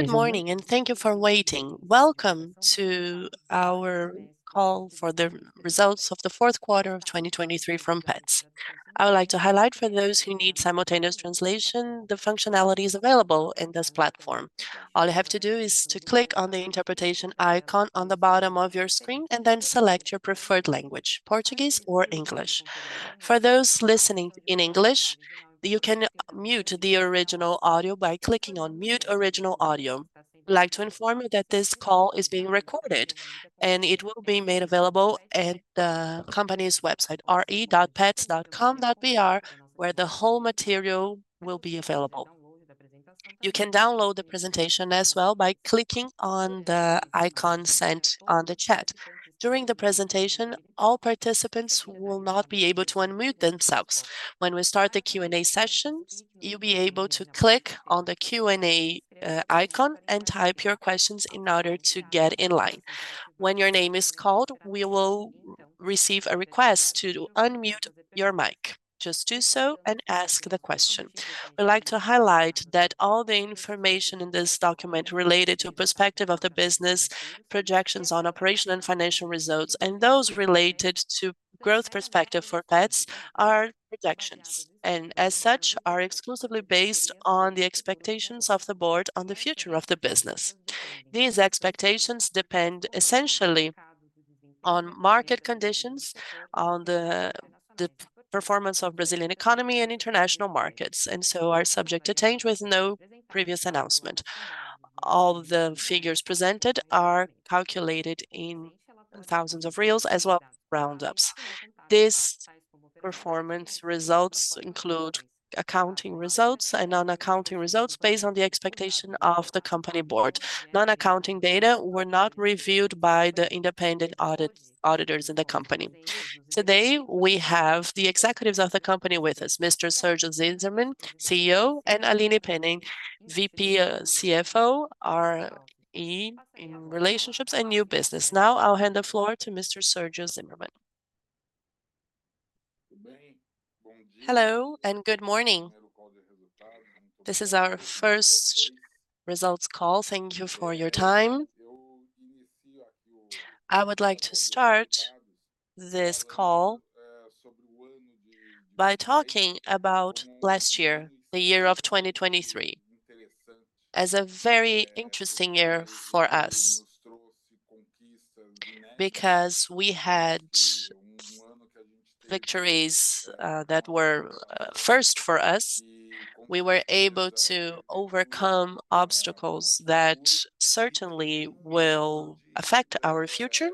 Good morning, and thank you for waiting. Welcome to our call for the results of the Q4 of 2023 from Petz. I would like to highlight for those who need simultaneous translation, the functionality is available in this platform. All you have to do is to click on the interpretation icon on the bottom of your screen, and then select your preferred language, Portuguese or English. For those listening in English, you can mute the original audio by clicking on Mute Original Audio. I'd like to inform you that this call is being recorded, and it will be made available at the company's website, ri.petz.com.br, where the whole material will be available. You can download the presentation as well by clicking on the icon sent on the chat. During the presentation, all participants will not be able to unmute themselves. When we start the Q&A session, you'll be able to click on the Q&A icon and type your questions in order to get in line. When your name is called, we will receive a request to unmute your mic. Just do so, and ask the question. I'd like to highlight that all the information in this document related to prospects of the business, projections on operational and financial results, and those related to growth prospects for Petz are projections, and as such, are exclusively based on the expectations of the board on the future of the business. These expectations depend essentially on market conditions, on the performance of Brazilian economy and international markets, and so are subject to change with no previous announcement. All the figures presented are calculated in thousands of reals, as well as rounded. This performance results include accounting results and non-accounting results based on the expectation of the company board. Non-accounting data were not reviewed by the independent auditors in the company. Today, we have the executives of the company with us, Mr. Sergio Zimerman, CEO, and Aline Penna, VP, CFO, Investor Relations and New Business. Now, I'll hand the floor to Mr. Sergio Zimerman. Hello, and good morning. This is our first results call. Thank you for your time. I would like to start this call by talking about last year, the year of 2023, as a very interesting year for us because we had victories that were first for us. We were able to overcome obstacles that certainly will affect our future,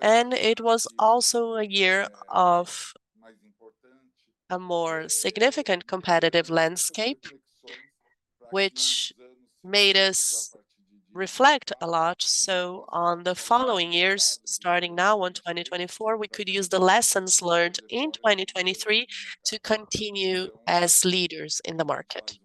and it was also a year of a more significant competitive landscape, which made us reflect a lot. On the following years, starting now on 2024, we could use the lessons learned in 2023 to continue as leaders in the market.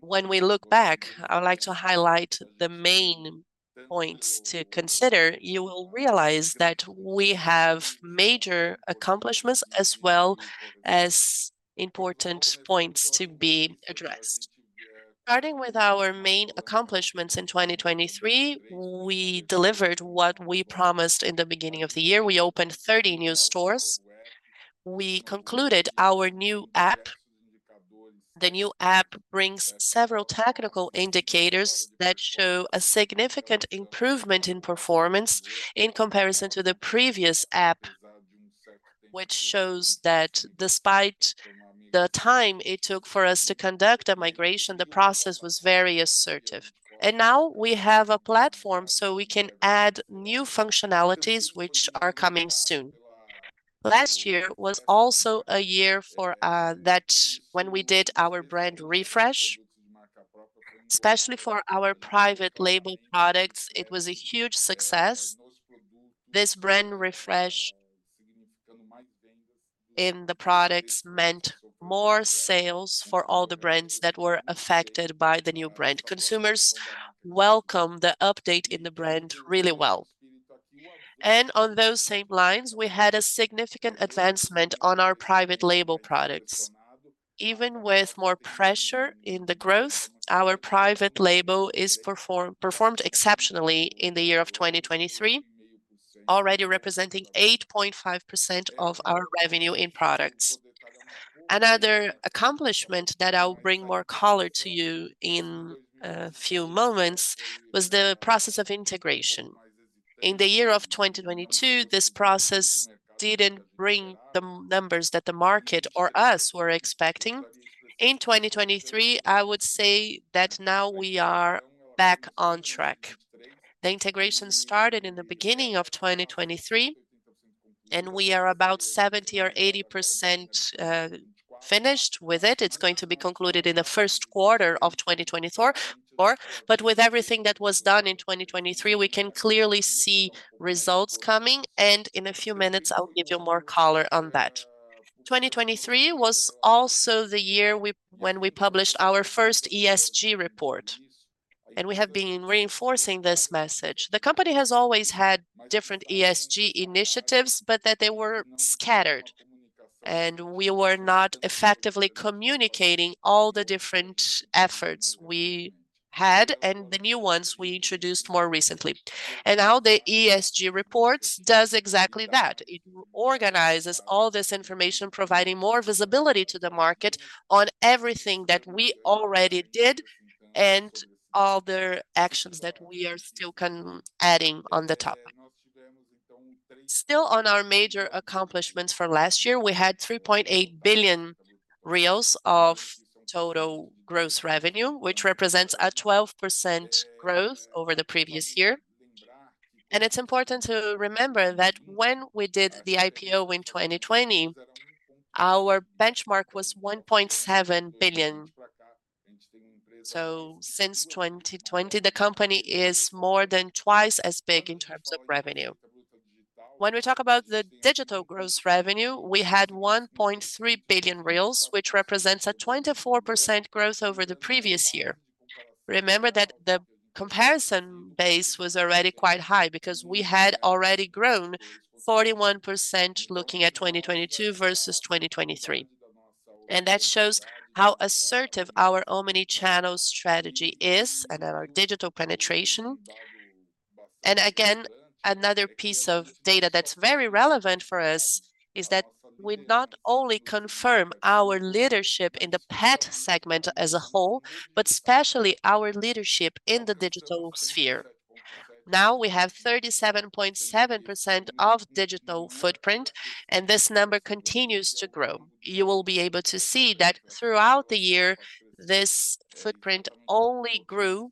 When we look back, I would like to highlight the main points to consider. You will realize that we have major accomplishments, as well as important points to be addressed. Starting with our main accomplishments in 2023, we delivered what we promised in the beginning of the year. We opened 30 new stores. We concluded our new app. The new app brings several technical indicators that show a significant improvement in performance in comparison to the previous app, which shows that despite the time it took for us to conduct a migration, the process was very assertive. Now we have a platform, so we can add new functionalities, which are coming soon. Last year was also a year for that when we did our brand refresh, especially for our private label products, it was a huge success. This brand refresh in the products meant more sales for all the brands that were affected by the new brand. Consumers welcomed the update in the brand really well. On those same lines, we had a significant advancement on our private label products. Even with more pressure in the growth, our private label performed exceptionally in the year of 2023, already representing 8.5% of our revenue in products. Another accomplishment that I will bring more color to you in a few moments was the process of integration. In the year of 2022, this process didn't bring the numbers that the market or us were expecting. In 2023, I would say that now we are back on track. The integration started in the beginning of 2023, and we are about 70%-80% finished with it. It's going to be concluded in the Q1 of 2024, or... But with everything that was done in 2023, we can clearly see results coming, and in a few minutes, I'll give you more color on that. 2023 was also the year when we published our first ESG report, and we have been reinforcing this message. The company has always had different ESG initiatives, but that they were scattered... and we were not effectively communicating all the different efforts we had, and the new ones we introduced more recently. And now, the ESG reports does exactly that. It organizes all this information, providing more visibility to the market on everything that we already did, and other actions that we are still adding on the top. Still on our major accomplishments for last year, we had 3.8 billion reais of total gross revenue, which represents a 12% growth over the previous year. And it's important to remember that when we did the IPO in 2020, our benchmark was 1.7 billion. So since 2020, the company is more than twice as big in terms of revenue. When we talk about the digital gross revenue, we had 1.3 billion reais, which represents a 24% growth over the previous year. Remember that the comparison base was already quite high, because we had already grown 41% looking at 2022 versus 2023, and that shows how assertive our omni-channel strategy is, and then our digital penetration. Again, another piece of data that's very relevant for us is that we not only confirm our leadership in the pet segment as a whole, but especially our leadership in the digital sphere. Now, we have 37.7% of digital footprint, and this number continues to grow. You will be able to see that throughout the year, this footprint only grew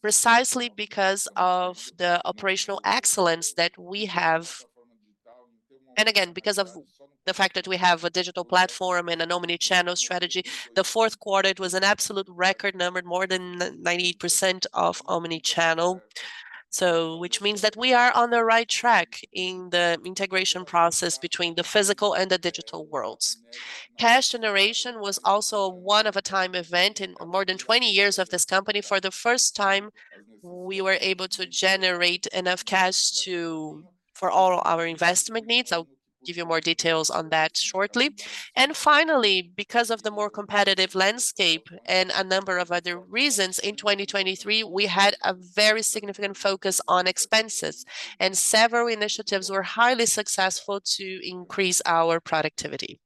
precisely because of the operational excellence that we have. Again, because of the fact that we have a digital platform and an omni-channel strategy, the Q4, it was an absolute record number, more than 98% of omni-channel. So which means that we are on the right track in the integration process between the physical and the digital worlds. Cash generation was also a one-of-a-time event. In more than 20 years of this company, for the first time, we were able to generate enough cash to... for all our investment needs. I'll give you more details on that shortly. And finally, because of the more competitive landscape and a number of other reasons, in 2023, we had a very significant focus on expenses, and several initiatives were highly successful to increase our productivity.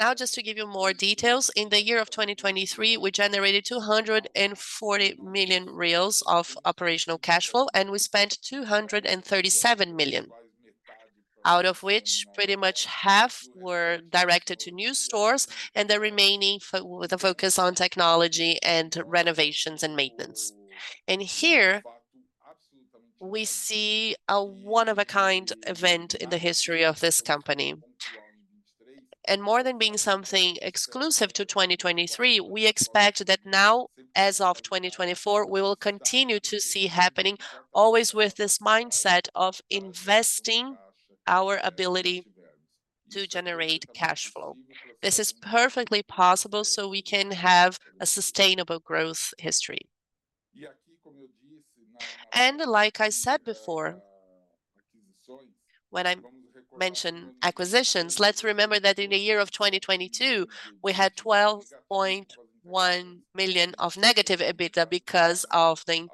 Now, just to give you more details, in the year of 2023, we generated 240 million reais of operational cash flow, and we spent 237 million, out of which pretty much half were directed to new stores, and the remaining with a focus on technology and renovations and maintenance. Here, we see a one-of-a-kind event in the history of this company. More than being something exclusive to 2023, we expect that now, as of 2024, we will continue to see happening, always with this mindset of investing our ability to generate cash flow. This is perfectly possible, so we can have a sustainable growth history. And like I said before, when I mentioned acquisitions, let's remember that in the year of 2022, we had -12.1 million of EBITDA because of the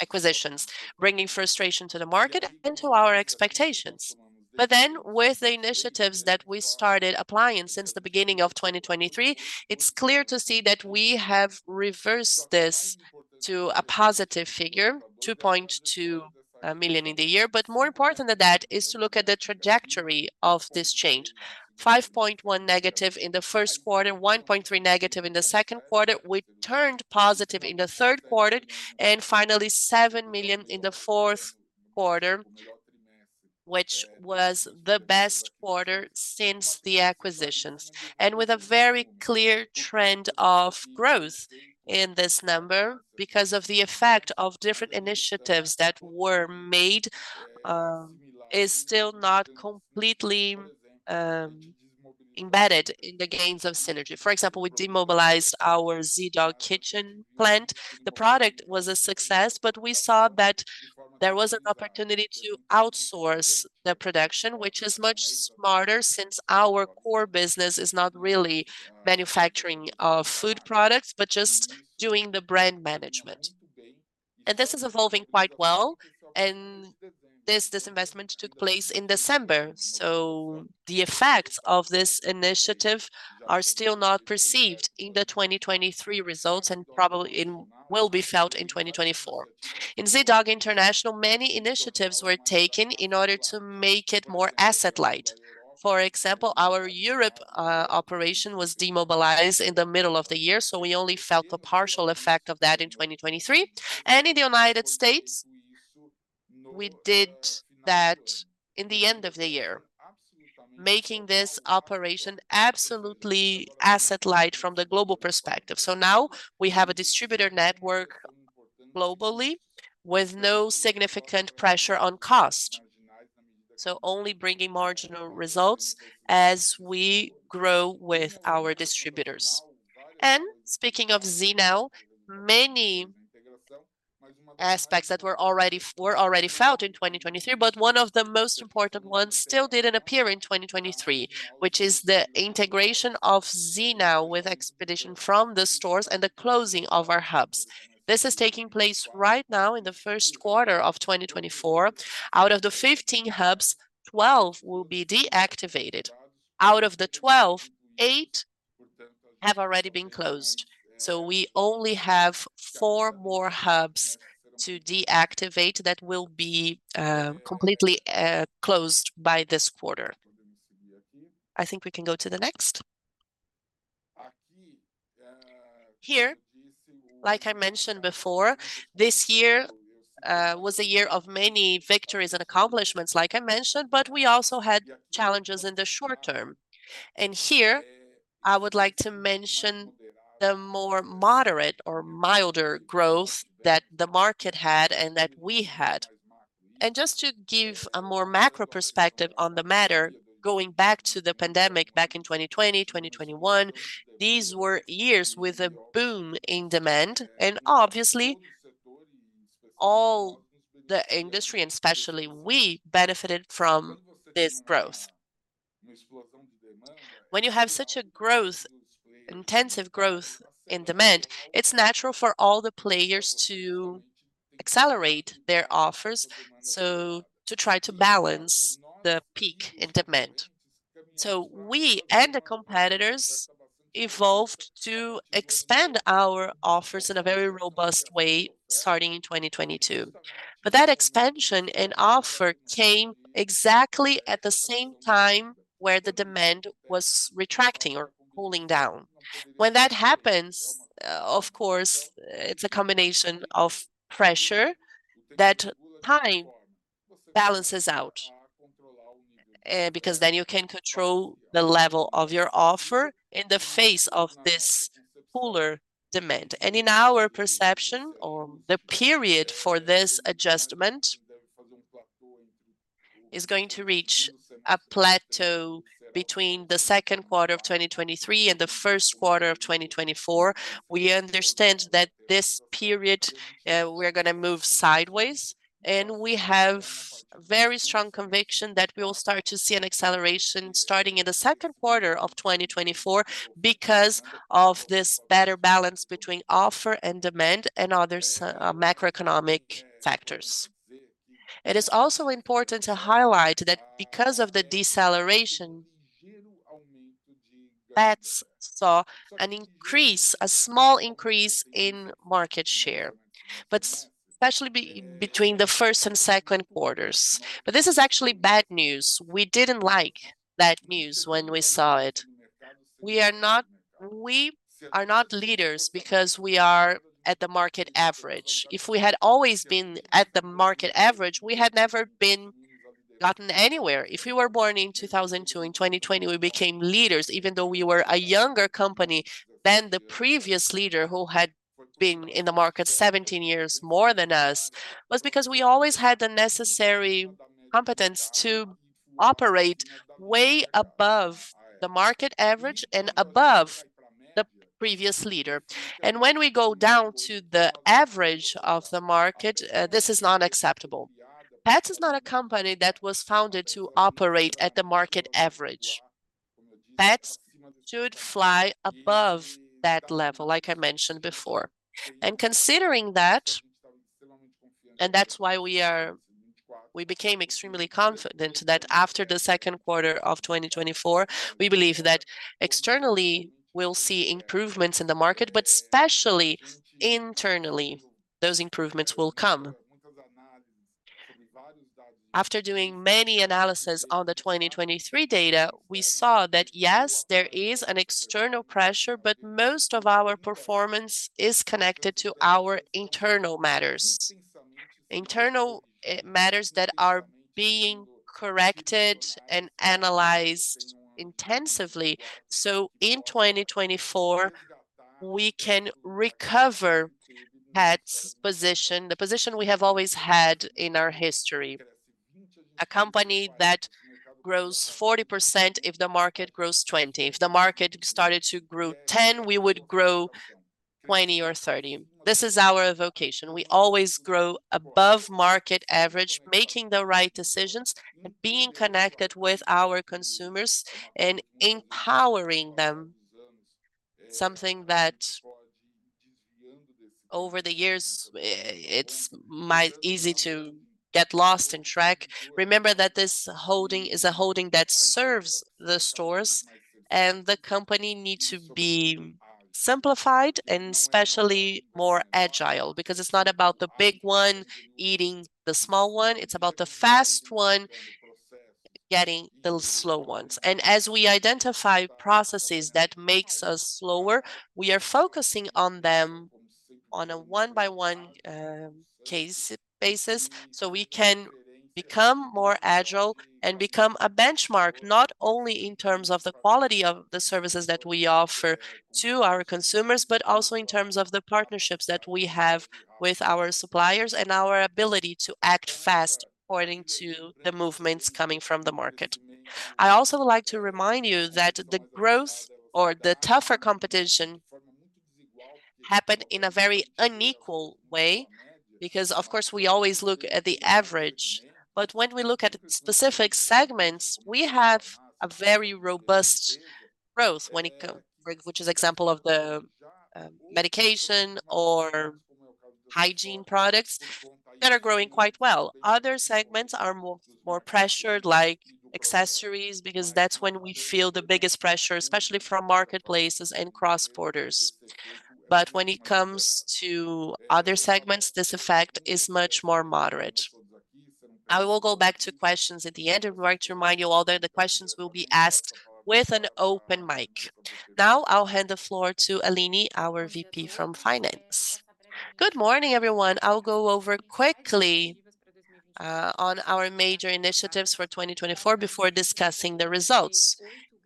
acquisitions, bringing frustration to the market and to our expectations. But then, with the initiatives that we started applying since the beginning of 2023, it's clear to see that we have reversed this to a positive figure, 2.2 million in the year. But more important than that, is to look at the trajectory of this change. 5.1 negative in the Q1, 1.3 negative in the Q2. We turned positive in the Q3, and finally, 7 million in the Q4, which was the best quarter since the acquisitions, and with a very clear trend of growth in this number. Because of the effect of different initiatives that were made, is still not completely embedded in the gains of synergy. For example, we demobilized our Zee.Dog Kitchen plant. The product was a success, but we saw that there was an opportunity to outsource the production, which is much smarter, since our core business is not really manufacturing food products, but just doing the brand management. And this is evolving quite well, and this disinvestment took place in December, so the effects of this initiative are still not perceived in the 2023 results, and probably will be felt in 2024. In Zee.Dog International, many initiatives were taken in order to make it more asset-light. For example, our Europe operation was demobilized in the middle of the year, so we only felt a partial effect of that in 2023. In the United States, we did that in the end of the year, making this operation absolutely asset-light from the global perspective. So now we have a distributor network globally, with no significant pressure on cost, so only bringing marginal results as we grow with our distributors. Speaking of Zee.Now, many aspects that were already felt in 2023, but one of the most important ones still didn't appear in 2023, which is the integration of Zee.Now with expedition from the stores and the closing of our hubs. This is taking place right now in the Q1 of 2024. Out of the 15 hubs, 12 will be deactivated. Out of the 12, eight have already been closed, so we only have four more hubs to deactivate that will be completely closed by this quarter. I think we can go to the next. Here, like I mentioned before, this year was a year of many victories and accomplishments, like I mentioned, but we also had challenges in the short term. Here, I would like to mention the more moderate or milder growth that the market had and that we had. Just to give a more macro perspective on the matter, going back to the pandemic back in 2020, 2021, these were years with a boom in demand, and obviously, all the industry, and especially we, benefited from this growth. When you have such a growth, intensive growth in demand, it's natural for all the players to accelerate their offers, so to try to balance the peak in demand. We and the competitors evolved to expand our offers in a very robust way starting in 2022. But that expansion in offer came exactly at the same time where the demand was retracting or cooling down. When that happens, of course, it's a combination of pressure that time balances out, because then you can control the level of your offer in the face of this cooler demand. And in our perception, or the period for this adjustment, is going to reach a plateau between the Q2 of 2023 and the Q1 of 2024. We understand that this period, we're gonna move sideways, and we have very strong conviction that we will start to see an acceleration starting in the Q2 of 2024 because of this better balance between offer and demand and other macroeconomic factors. It is also important to highlight that because of the deceleration, Petz saw an increase, a small increase in market share, but especially between the first and Q2s. But this is actually bad news. We didn't like that news when we saw it. We are not... We are not leaders because we are at the market average. If we had always been at the market average, we had never gotten anywhere. If we were born in 2002, in 2020 we became leaders, even though we were a younger company than the previous leader, who had been in the market 17 years more than us, was because we always had the necessary competence to operate way above the market average and above the previous leader. And when we go down to the average of the market, this is not acceptable. Petz is not a company that was founded to operate at the market average. Petz should fly above that level, like I mentioned before. Considering that, and that's why we became extremely confident that after the Q2 of 2024, we believe that externally, we'll see improvements in the market, but especially internally, those improvements will come. After doing many analysis on the 2023 data, we saw that, yes, there is an external pressure, but most of our performance is connected to our internal matters. Internal matters that are being corrected and analyzed intensively, so in 2024, we can recover Petz's position, the position we have always had in our history. A company that grows 40% if the market grows 20. If the market started to grow 10, we would grow 20 or 30. This is our vocation. We always grow above market average, making the right decisions, and being connected with our consumers and empowering them, something that over the years, it's too easy to get lost off track. Remember that this holding is a holding that serves the stores, and the company need to be simplified, and especially more agile, because it's not about the big one eating the small one, it's about the fast one getting the slow ones. As we identify processes that makes us slower, we are focusing on them on a one-by-one, case basis, so we can become more agile and become a benchmark, not only in terms of the quality of the services that we offer to our consumers, but also in terms of the partnerships that we have with our suppliers and our ability to act fast according to the movements coming from the market. I also would like to remind you that the growth or the tougher competition happened in a very unequal way, because, of course, we always look at the average. But when we look at specific segments, we have a very robust growth when it comes to, for example, the medication or hygiene products that are growing quite well. Other segments are more pressured, like accessories, because that's when we feel the biggest pressure, especially from marketplaces and cross-borders. But when it comes to other segments, this effect is much more moderate. I will go back to questions at the end. I would like to remind you all that the questions will be asked with an open mic. Now, I'll hand the floor to Aline, our VP from Finance. Good morning, everyone. I'll go over quickly on our major initiatives for 2024 before discussing the results.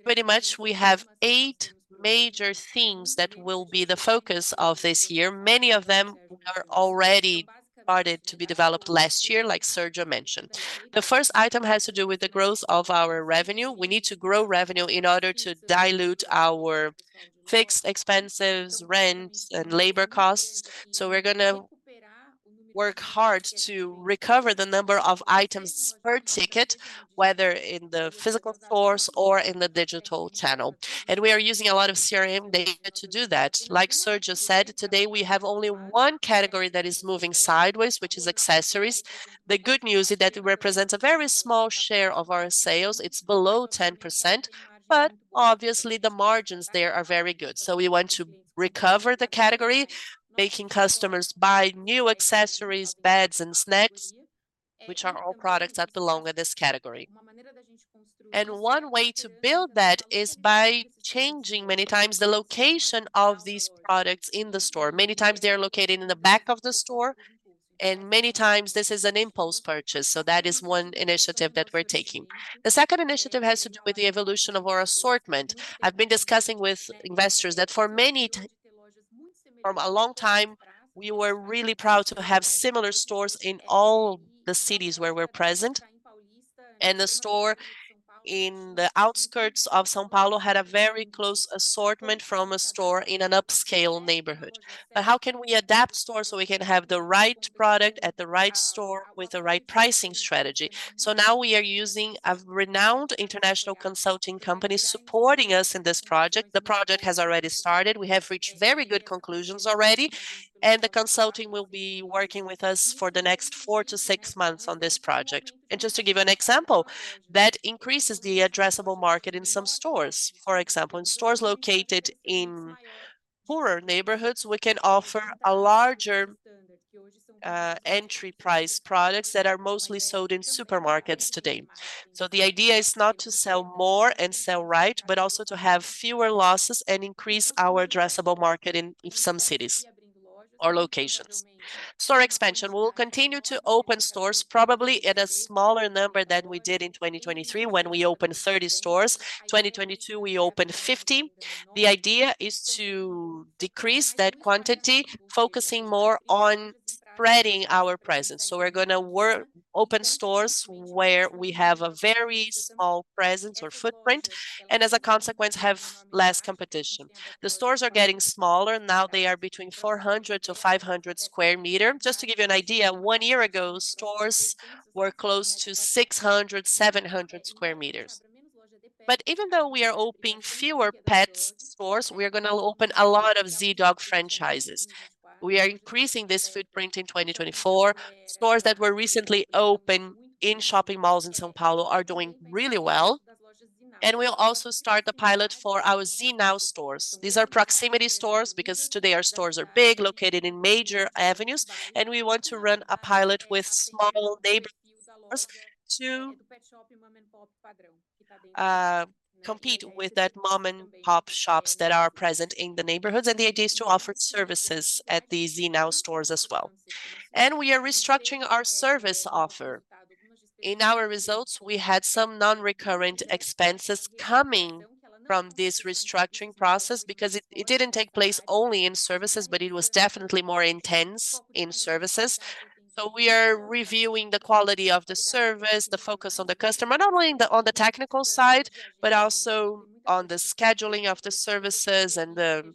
Pretty much, we have eight major themes that will be the focus of this year. Many of them were already started to be developed last year, like Sergio mentioned. The first item has to do with the growth of our revenue. We need to grow revenue in order to dilute our fixed expenses, rent, and labor costs, so we're gonna work hard to recover the number of items per ticket, whether in the physical stores or in the digital channel, and we are using a lot of CRM data to do that. Like Sergio said, today, we have only one category that is moving sideways, which is accessories. The good news is that it represents a very small share of our sales. It's below 10%, but obviously, the margins there are very good. So we want to recover the category, making customers buy new accessories, beds, and snacks, which are all products that belong in this category. And one way to build that is by changing many times the location of these products in the store. Many times they are located in the back of the store, and many times this is an impulse purchase, so that is one initiative that we're taking. The second initiative has to do with the evolution of our assortment. I've been discussing with investors that for a long time, we were really proud to have similar stores in all the cities where we're present, and the store in the outskirts of São Paulo had a very close assortment from a store in an upscale neighborhood. But how can we adapt stores so we can have the right product at the right store with the right pricing strategy? So now we are using a renowned international consulting company supporting us in this project. The project has already started. We have reached very good conclusions already, and the consulting will be working with us for the next 4-6 months on this project. Just to give you an example, that increases the addressable market in some stores. For example, in stores located in poorer neighborhoods, we can offer a larger entry price products that are mostly sold in supermarkets today. So the idea is not to sell more and sell right, but also to have fewer losses and increase our addressable market in some cities or locations. Store expansion. We will continue to open stores, probably at a smaller number than we did in 2023, when we opened 30 stores. 2022, we opened 50. The idea is to decrease that quantity, focusing more on spreading our presence, so we're gonna open stores where we have a very small presence or footprint, and as a consequence, have less competition. The stores are getting smaller. Now, they are between 400-500 square meter. Just to give you an idea, one year ago, stores were close to 600, 700 square meters. But even though we are opening fewer pet stores, we are gonna open a lot of Zee.Dog franchises. We are increasing this footprint in 2024. Stores that were recently opened in shopping malls in São Paulo are doing really well, and we'll also start the pilot for our Zee.Now stores. These are proximity stores, because today our stores are big, located in major avenues, and we want to run a pilot with small neighborhood stores to compete with those mom-and-pop shops that are present in the neighborhoods, and the idea is to offer services at the Zee.Now stores as well. We are restructuring our service offer. In our results, we had some non-recurrent expenses coming from this restructuring process because it, it didn't take place only in services, but it was definitely more intense in services. We are reviewing the quality of the service, the focus on the customer, not only on the technical side, but also on the scheduling of the services and the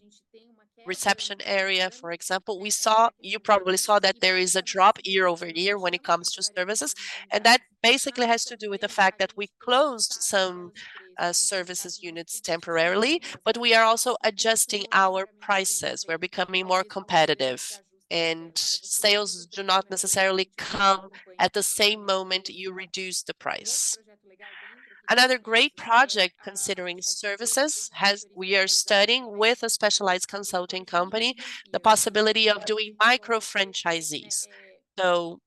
reception area. For example, we saw, you probably saw that there is a drop year-over-year when it comes to services, and that basically has to do with the fact that we closed some services units temporarily, but we are also adjusting our prices. We're becoming more competitive, and sales do not necessarily come at the same moment you reduce the price. Another great project, considering services, has, we are studying with a specialized consulting company, the possibility of doing micro-franchisees. So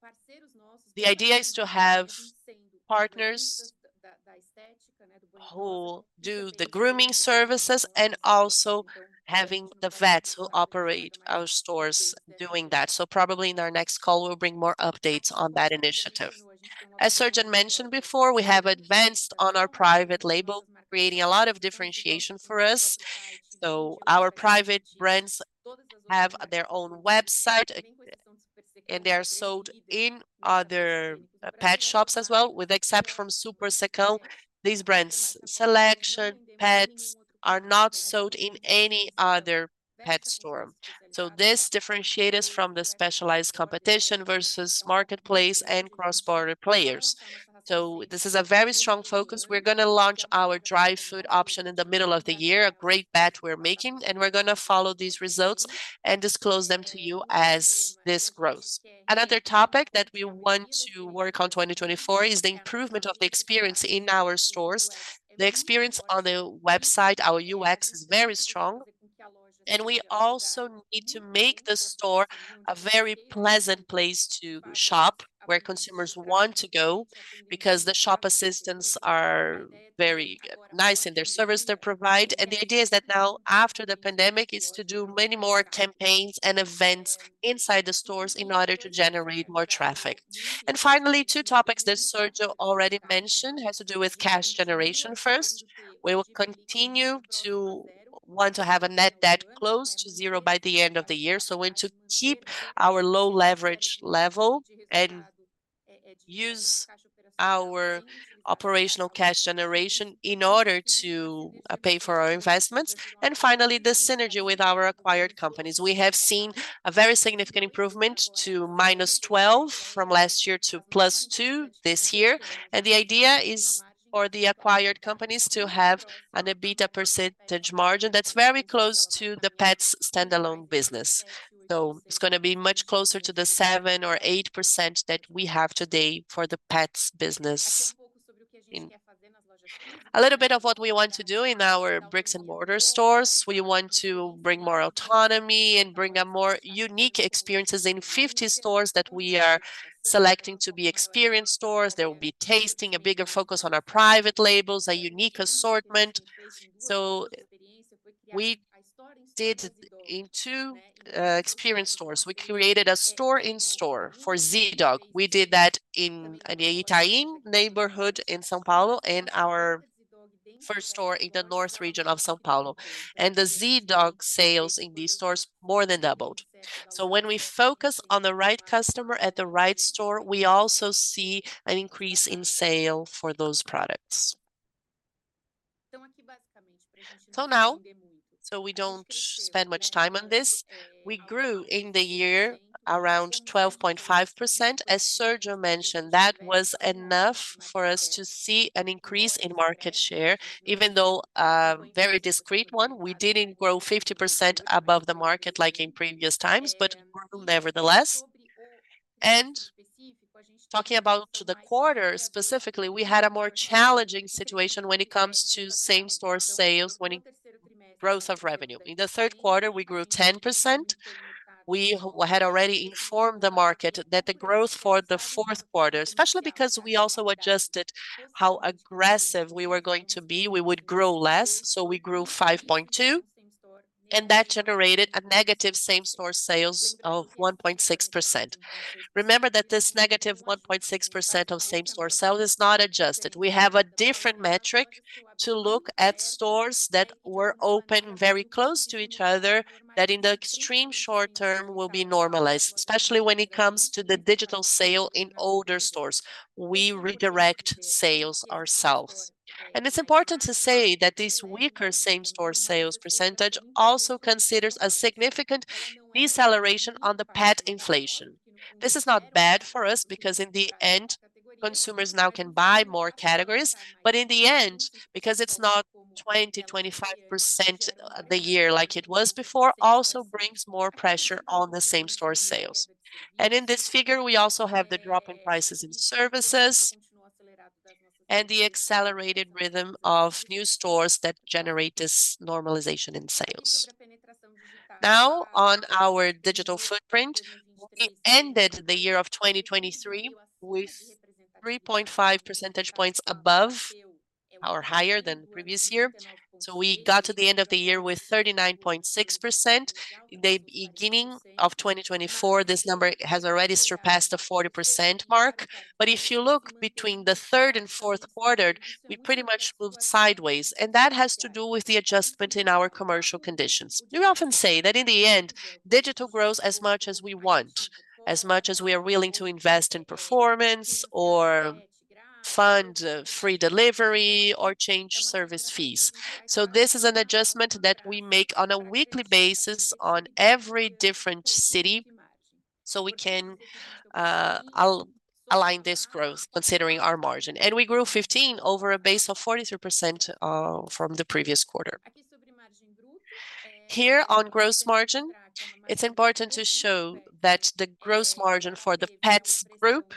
the idea is to have partners who do the grooming services and also having the vets who operate our stores doing that. So probably in our next call, we'll bring more updates on that initiative. As Sergio mentioned before, we have advanced on our private label, creating a lot of differentiation for us. So our private brands have their own website, a-... They are sold in other pet shops as well, with the exception of SuperSecão. These brands, selection, are not sold in any other pet store. So this differentiates us from the specialized competition versus marketplace and cross-border players. So this is a very strong focus. We're gonna launch our dry food option in the middle of the year, a great bet we're making, and we're gonna follow these results and disclose them to you as this grows. Another topic that we want to work on in 2024 is the improvement of the experience in our stores. The experience on the website, our UX, is very strong, and we also need to make the store a very pleasant place to shop, where consumers want to go, because the shop assistants are very nice in their service they provide. The idea is that now, after the pandemic, is to do many more campaigns and events inside the stores in order to generate more traffic. Finally, two topics that Sergio already mentioned, has to do with cash generation first. We will continue to want to have a net debt close to zero by the end of the year, so we need to keep our low leverage level and use our operational cash generation in order to pay for our investments. Finally, the synergy with our acquired companies. We have seen a very significant improvement from -12 last year to +2 this year, and the idea is for the acquired companies to have an EBITDA percentage margin that's very close to the Petz standalone business. It's gonna be much closer to the 7%-8% that we have today for the Petz business. A little bit of what we want to do in our brick-and-mortar stores, we want to bring more autonomy and bring a more unique experiences in 50 stores that we are selecting to be experience stores. There will be tasting, a bigger focus on our private labels, a unique assortment. So we did in two experience stores. We created a store-in-store for Zee.Dog. We did that in the Itaim neighborhood in São Paulo, in our first store in the north region of São Paulo. And the Zee.Dog sales in these stores more than doubled. So when we focus on the right customer at the right store, we also see an increase in sale for those products. So now, so we don't spend much time on this, we grew in the year around 12.5%. As Sergio mentioned, that was enough for us to see an increase in market share, even though a very discreet one. We didn't grow 50% above the market like in previous times, but nevertheless. Talking about the quarter specifically, we had a more challenging situation when it comes to same-store sales growth of revenue. In the Q3, we grew 10%. We had already informed the market that the growth for the Q4, especially because we also adjusted how aggressive we were going to be, we would grow less, so we grew 5.2%, and that generated a negative same-store sales of 1.6%. Remember that this negative 1.6% of same-store sales is not adjusted. We have a different metric to look at stores that were open very close to each other, that in the extreme short term will be normalized, especially when it comes to the digital sale in older stores. We redirect sales ourselves. It's important to say that this weaker same-store sales percentage also considers a significant deceleration on the pet inflation. This is not bad for us, because in the end, consumers now can buy more categories. In the end, because it's not 20-25% the year like it was before, also brings more pressure on the same-store sales. In this figure, we also have the drop in prices and services, and the accelerated rhythm of new stores that generate this normalization in sales. Now, on our digital footprint, we ended the year of 2023 with 3.5 percentage points above or higher than the previous year. So we got to the end of the year with 39.6%. In the beginning of 2024, this number has already surpassed the 40% mark. But if you look between the third and Q4, we pretty much moved sideways, and that has to do with the adjustment in our commercial conditions. We often say that in the end, digital grows as much as we want, as much as we are willing to invest in performance or fund free delivery, or change service fees. So this is an adjustment that we make on a weekly basis on every different city, so we can align this growth considering our margin. And we grew 15 over a base of 43%, from the previous quarter. Here on gross margin, it's important to show that the gross margin for the Petz group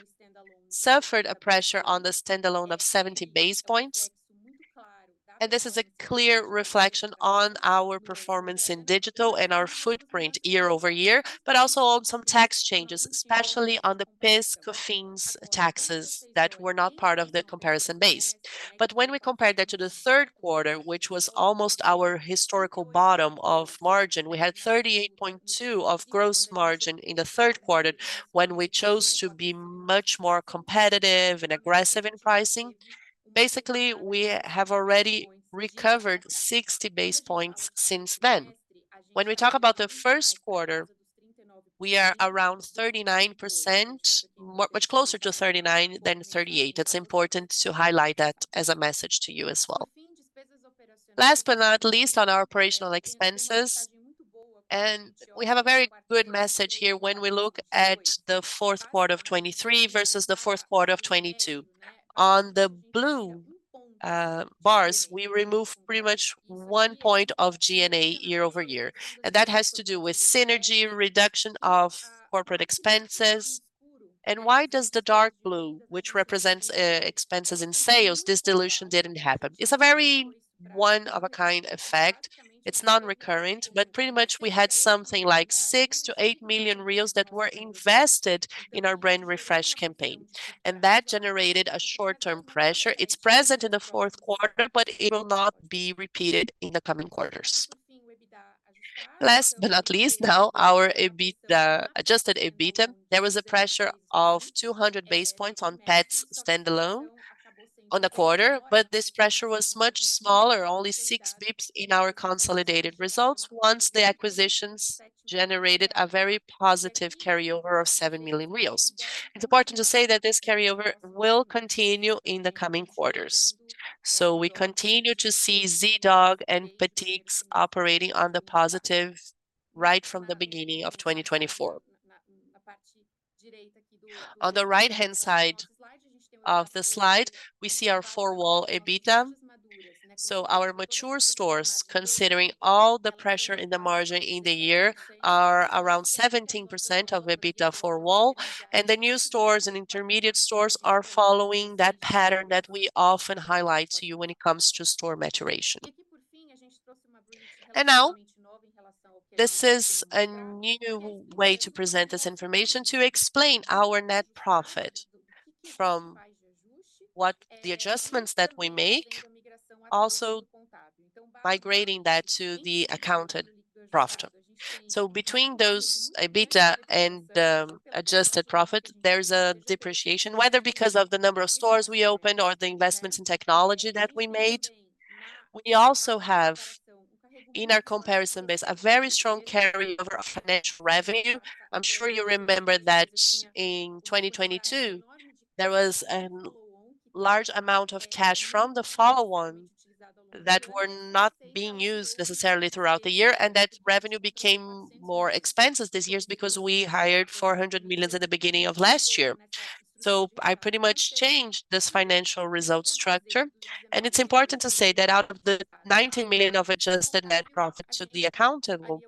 suffered a pressure on the standalone of 70 base points, and this is a clear reflection on our performance in digital and our footprint year-over-year, but also on some tax changes, especially on the PIS/Cofins taxes that were not part of the comparison base. But when we compare that to the Q3, which was almost our historical bottom of margin, we had 38.2% gross margin in the Q3, when we chose to be much more competitive and aggressive in pricing.... basically, we have already recovered 60 base points since then. When we talk about the Q1, we are around 39%, much closer to 39% than 38%. It's important to highlight that as a message to you as well. Last but not least, on our operational expenses, and we have a very good message here when we look at the Q4 of 2023 versus the Q4 of 2022. On the blue bars, we removed pretty much one point of G&A year-over-year, and that has to do with synergy, reduction of corporate expenses. Why does the dark blue, which represents expenses in sales, this dilution didn't happen? It's a very one-of-a-kind effect. It's non-recurrent, but pretty much we had something like 6 million-8 million that were invested in our brand refresh campaign, and that generated a short-term pressure. It's present in the Q4, but it will not be repeated in the coming quarters. Last but not least, now our EBITDA, Adjusted EBITDA, there was a pressure of 200 basis points on Petz standalone on the quarter, but this pressure was much smaller, only six basis points in our consolidated results, once the acquisitions generated a very positive carryover of 7 million. It's important to say that this carryover will continue in the coming quarters, so we continue to see Zee.Dog and Petix operating on the positive right from the beginning of 2024. On the right-hand side of the slide, we see our four-wall EBITDA, so our mature stores, considering all the pressure in the margin in the year, are around 17% of EBITDA four-wall, and the new stores and intermediate stores are following that pattern that we often highlight to you when it comes to store maturation. Now, this is a new way to present this information, to explain our net profit from what the adjustments that we make also migrating that to the accounted profit. Between those EBITDA and adjusted profit, there's a depreciation, whether because of the number of stores we opened or the investments in technology that we made. We also have, in our comparison base, a very strong carryover of financial revenue. I'm sure you remember that in 2022, there was a large amount of cash from the follow-on that were not being used necessarily throughout the year, and that revenue became more expenses this year because we raised 400 million at the beginning of last year. So I pretty much changed this financial result structure, and it's important to say that out of the 19 million of adjusted net profit to the accountable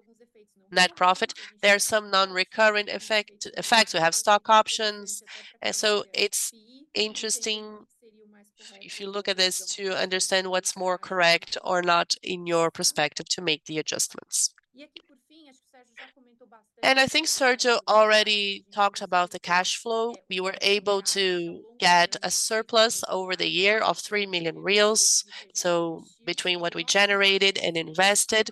net profit, there are some non-recurrent effect, effects. We have stock options, and so it's interesting, if you look at this, to understand what's more correct or not in your perspective to make the adjustments. And I think Sergio already talked about the cash flow. We were able to get a surplus over the year of 3 million, so between what we generated and invested,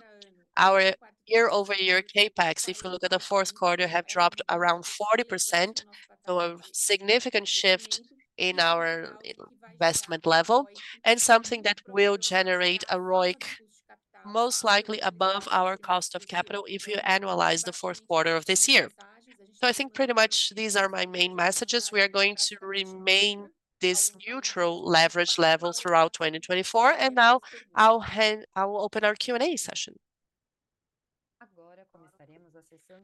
our year-over-year CapEx, if you look at the Q4, have dropped around 40%, so a significant shift in our investment level and something that will generate a ROIC most likely above our cost of capital if you annualize the Q4 of this year. So I think pretty much these are my main messages. We are going to remain this neutral leverage level throughout 2024, and now I will open our Q&A session.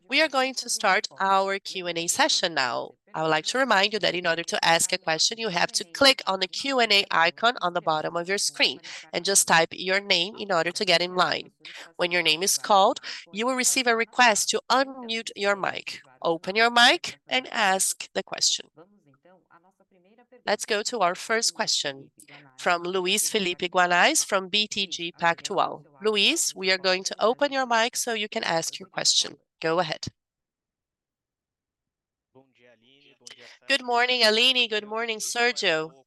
We are going to start our Q&A session now. I would like to remind you that in order to ask a question, you have to click on the Q&A icon on the bottom of your screen and just type your name in order to get in line. When your name is called, you will receive a request to unmute your mic. Open your mic and ask the question. Let's go to our first question from Luiz Felipe Guanais from BTG Pactual. Luiz, we are going to open your mic so you can ask your question. Go ahead. Good morning, Aline. Good morning, Sergio.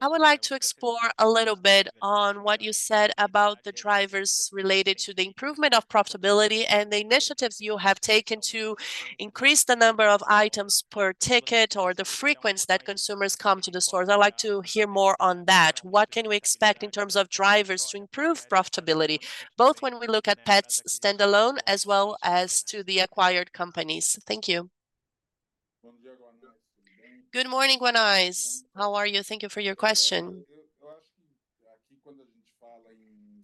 I would like to explore a little bit on what you said about the drivers related to the improvement of profitability and the initiatives you have taken to increase the number of items per ticket or the frequency that consumers come to the stores. I'd like to hear more on that. What can we expect in terms of drivers to improve profitability, both when we look at Petz standalone, as well as to the acquired companies? Thank you. Good morning, Guanais. How are you? Thank you for your question.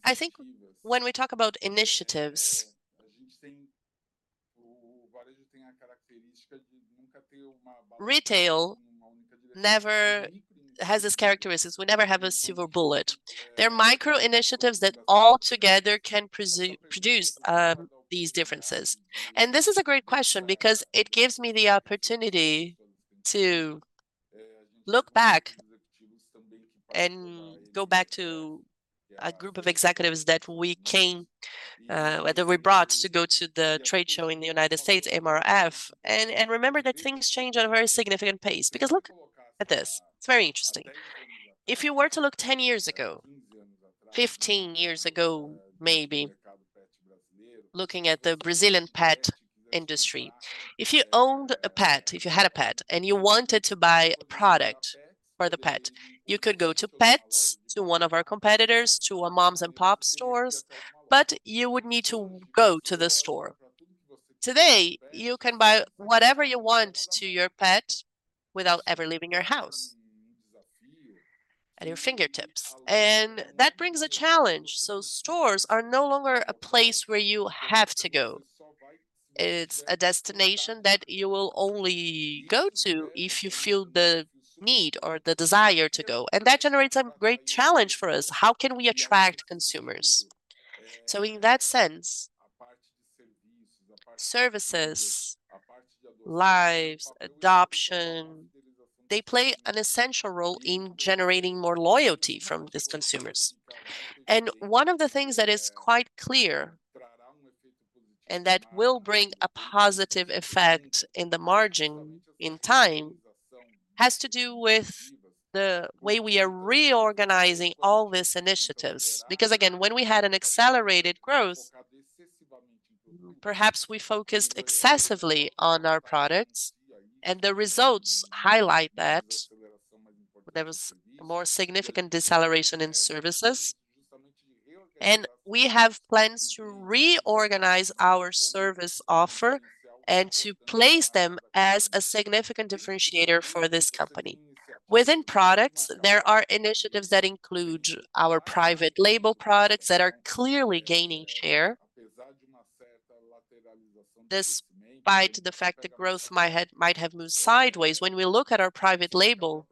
I think when we talk about initiatives, retail never has its characteristics. We never have a silver bullet. There are micro initiatives that all together can produce these differences, and this is a great question because it gives me the opportunity to look back and go back to a group of executives that we came, that we brought to go to the trade show in the United States, NRF, and remember that things change at a very significant pace. Because look at this, it's very interesting. If you were to look 10 years ago, 15 years ago, looking at the Brazilian pet industry. If you owned a pet, if you had a pet, and you wanted to buy a product for the pet, you could go to Petz, to one of our competitors, to a mom-and-pop stores, but you would need to go to the store. Today, you can buy whatever you want to your pet without ever leaving your house, at your fingertips, and that brings a challenge. So stores are no longer a place where you have to go. It's a destination that you will only go to if you feel the need or the desire to go, and that generates a great challenge for us. How can we attract consumers? So in that sense, services, lives, adoption, they play an essential role in generating more loyalty from these consumers. And one of the things that is quite clear, and that will bring a positive effect in the margin in time, has to do with the way we are reorganizing all these initiatives. Because, again, when we had an accelerated growth, perhaps we focused excessively on our products, and the results highlight that there was a more significant deceleration in services. We have plans to reorganize our service offer and to place them as a significant differentiator for this company. Within products, there are initiatives that include our private label products that are clearly gaining share, despite the fact the growth might have moved sideways. When we look at our private label,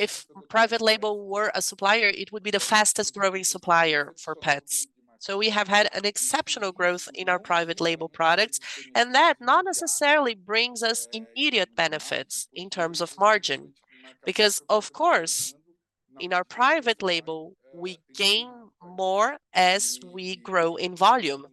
if private label were a supplier, it would be the fastest growing supplier for Petz. So we have had an exceptional growth in our private label products, and that not necessarily brings us immediate benefits in terms of margin. Because, of course, in our private label, we gain more as we grow in volume.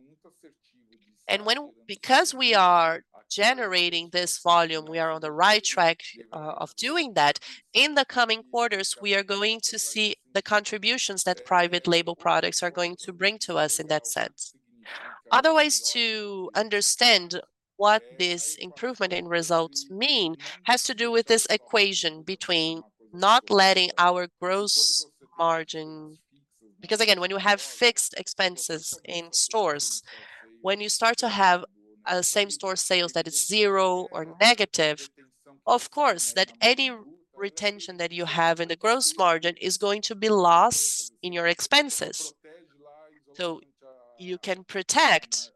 Because we are generating this volume, we are on the right track of doing that. In the coming quarters, we are going to see the contributions that private label products are going to bring to us in that sense. Other ways to understand what this improvement in results mean has to do with this equation between not letting our gross margin... Because, again, when you have fixed expenses in stores, when you start to have a same-store sales that is zero or negative, of course, that any retention that you have in the gross margin is going to be lost in your expenses. So you can protect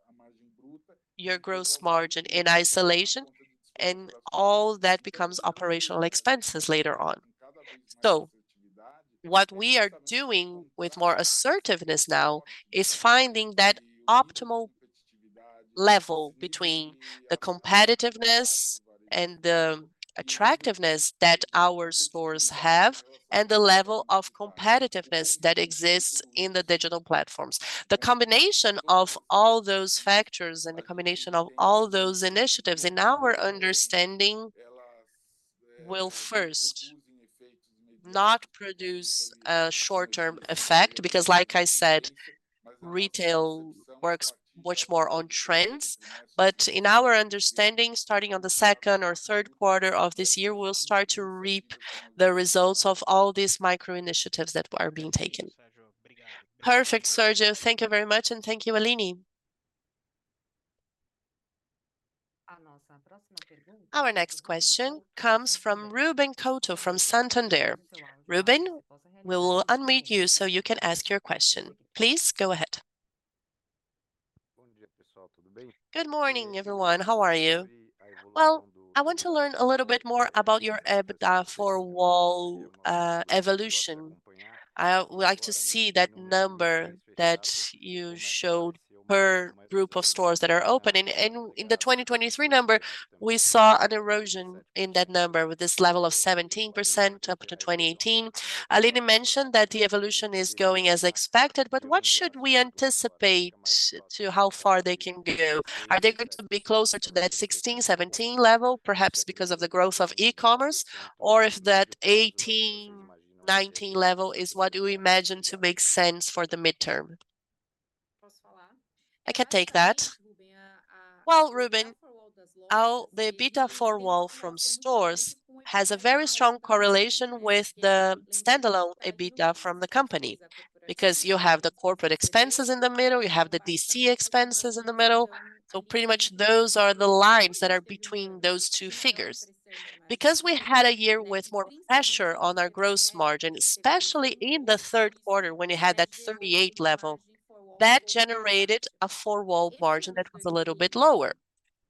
your gross margin in isolation, and all that becomes operational expenses later on. So what we are doing with more assertiveness now is finding that optimal level between the competitiveness and the attractiveness that our stores have, and the level of competitiveness that exists in the digital platforms. The combination of all those factors and the combination of all those initiatives, in our understanding, will first not produce a short-term effect, because, like I said, retail works much more on trends. But in our understanding, starting on the second or Q3 of this year, we'll start to reap the results of all these micro initiatives that are being taken. Perfect, Sergio. Thank you very much, and thank you, Aline. Our next question comes from Ruben Couto, from Santander. Ruben, we will unmute you, so you can ask your question. Please, go ahead. Good morning, everyone. How are you? Well, I want to learn a little bit more about your EBITDA four-wall evolution. I would like to see that number that you showed per group of stores that are open. And in the 2023 number, we saw an erosion in that number with this level of 17% up to 2018. Aline mentioned that the evolution is going as expected, but what should we anticipate to how far they can go? Are they going to be closer to that 16-17 level, perhaps because of the growth of e-commerce, or if that 18-19 level is what you imagine to make sense for the midterm? I can take that. Well, Ruben, the EBITDA four-wall from stores has a very strong correlation with the standalone EBITDA from the company. Because you have the corporate expenses in the middle, you have the DC expenses in the middle, so pretty much those are the lines that are between those two figures. Because we had a year with more pressure on our gross margin, especially in the Q3, when it had that 38% level, that generated a four-wall margin that was a little bit lower.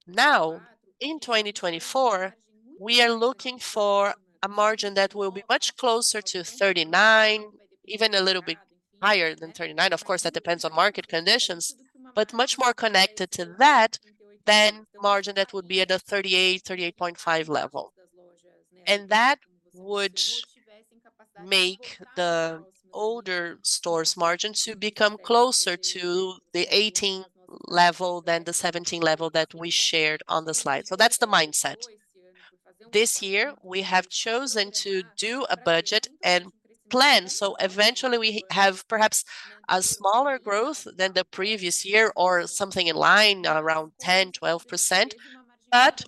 Now, in 2024, we are looking for a margin that will be much closer to 39%, even a little bit higher than 39%. Of course, that depends on market conditions. But much more connected to that than margin that would be at a 38%-38.5% level. And that would make the older stores' margins to become closer to the 18% level than the 17% level that we shared on the slide. So that's the mindset. This year, we have chosen to do a budget and plan. So eventually we have perhaps a smaller growth than the previous year or something in line, around 10%-12%, but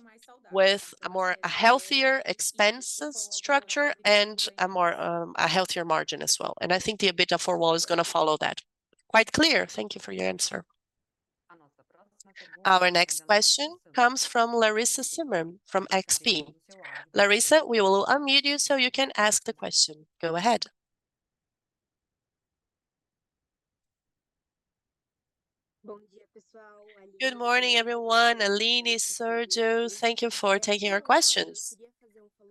with a more, a healthier expense structure and a more, a healthier margin as well. And I think the EBITDA four-wall is gonna follow that. Quite clear. Thank you for your answer. Our next question comes from Larissa Perez from XP. Larissa, we will unmute you so you can ask the question. Go ahead. Good morning, everyone. Aline, Sergio, thank you for taking our questions.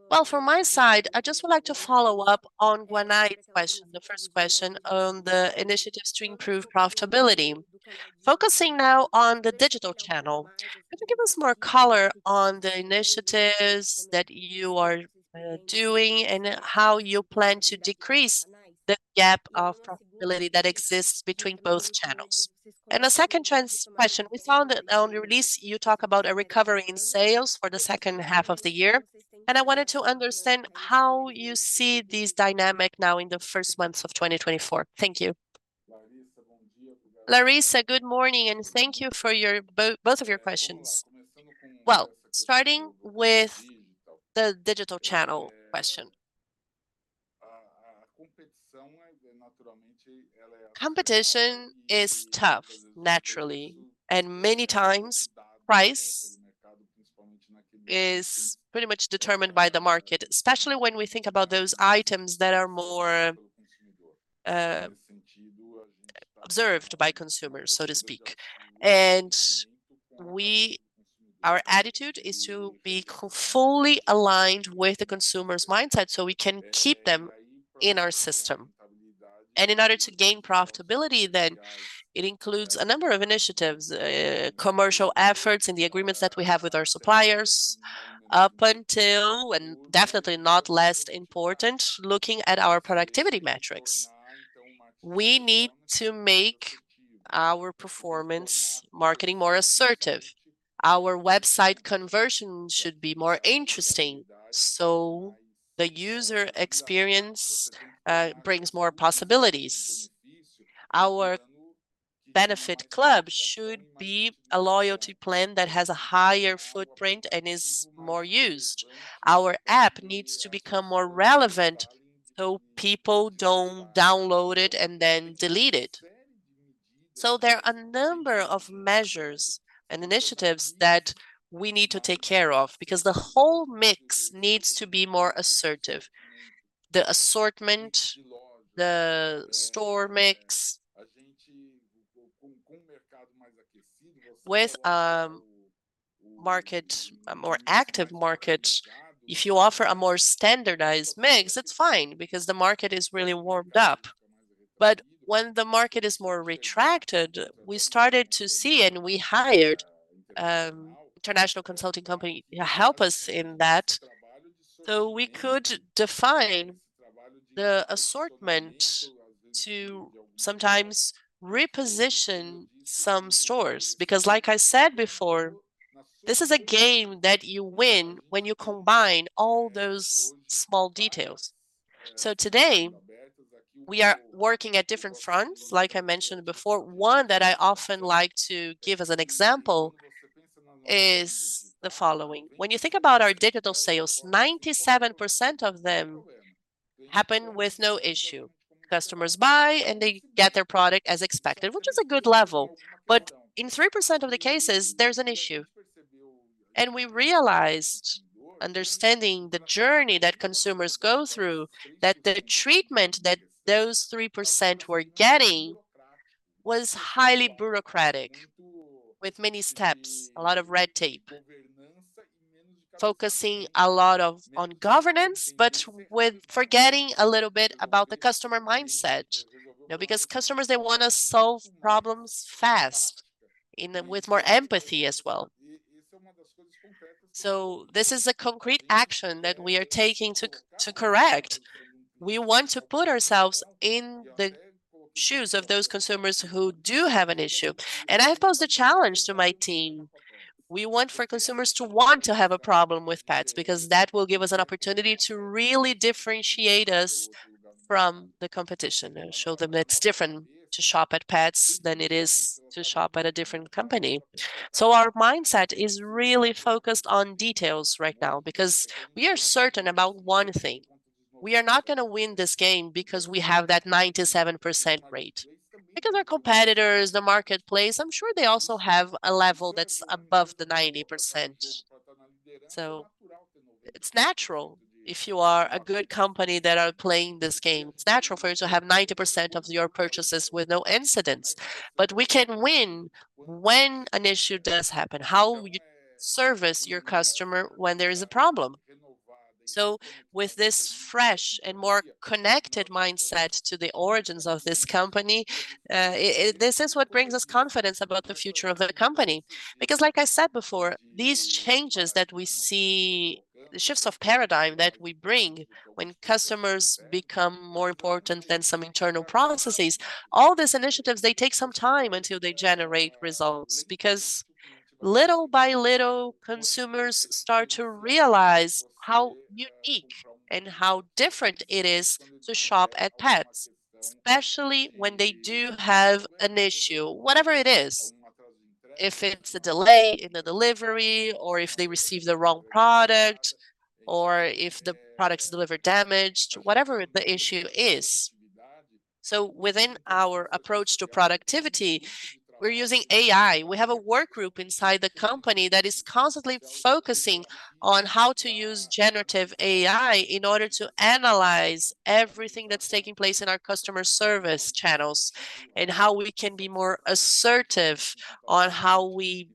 Well, from my side, I just would like to follow up on Guanais question, the first question on the initiatives to improve profitability. Focusing now on the digital channel, could you give us more color on the initiatives that you are doing and how you plan to decrease the gap of profitability that exists between both channels? And a second question, we found that on your release, you talk about a recovery in sales for the second half of the year, and I wanted to understand how you see this dynamic now in the first months of 2024. Thank you. Larissa, good morning, and thank you for your both of your questions. Well, starting with the digital channel question, competition is tough, naturally, and many times price is pretty much determined by the market, especially when we think about those items that are more observed by consumers, so to speak. And our attitude is to be completely aligned with the consumer's mindset so we can keep them in our system. And in order to gain profitability, then it includes a number of initiatives, commercial efforts, and the agreements that we have with our suppliers, up until, and definitely not less important, looking at our productivity metrics. We need to make our performance marketing more assertive. Our website conversion should be more interesting, so the user experience brings more possibilities. Our benefit club should be a loyalty plan that has a higher footprint and is more used. Our app needs to become more relevant, so people don't download it and then delete it. So there are a number of measures and initiatives that we need to take care of because the whole mix needs to be more assertive. The assortment, the store mix. With market, a more active market, if you offer a more standardized mix, it's fine because the market is really warmed up. But when the market is more retracted, we started to see, and we hired international consulting company to help us in that, so we could define the assortment to sometimes reposition some stores. Because like I said before, this is a game that you win when you combine all those small details. So today, we are working at different fronts, like I mentioned before. One that I often like to give as an example is the following: when you think about our digital sales, 97% of them happen with no issue. Customers buy, and they get their product as expected, which is a good level. But in 3% of the cases, there's an issue. And we realized, understanding the journey that consumers go through, that the treatment that those 3% were getting was highly bureaucratic, with many steps, a lot of red tape, focusing a lot of... on governance, but with forgetting a little bit about the customer mindset. You know, because customers, they wanna solve problems fast and with more empathy as well. So this is a concrete action that we are taking to correct. We want to put ourselves in the shoes of those consumers who do have an issue, and I've posed a challenge to my team. We want for consumers to want to have a problem with Petz, because that will give us an opportunity to really differentiate us from the competition and show them it's different to shop at Petz than it is to shop at a different company. So our mindset is really focused on details right now, because we are certain about one thing: we are not gonna win this game because we have that 97% rate. Because our competitors, the marketplace, I'm sure they also have a level that's above the 90%. So it's natural if you are a good company that are playing this game, it's natural for you to have 90% of your purchases with no incidents, but we can win when an issue does happen, how you service your customer when there is a problem. So with this fresh and more connected mindset to the origins of this company, it this is what brings us confidence about the future of the company. Because like I said before, these changes that we see, the shifts of paradigm that we bring when customers become more important than some internal processes, all these initiatives, they take some time until they generate results because little by little, consumers start to realize how unique and how different it is to shop at Petz, especially when they do have an issue, whatever it is. If it's a delay in the delivery, or if they receive the wrong product, or if the product's delivered damaged, whatever the issue is. So within our approach to productivity, we're using AI. We have a work group inside the company that is constantly focusing on how to use generative AI in order to analyze everything that's taking place in our customer service channels, and how we can be more assertive on how we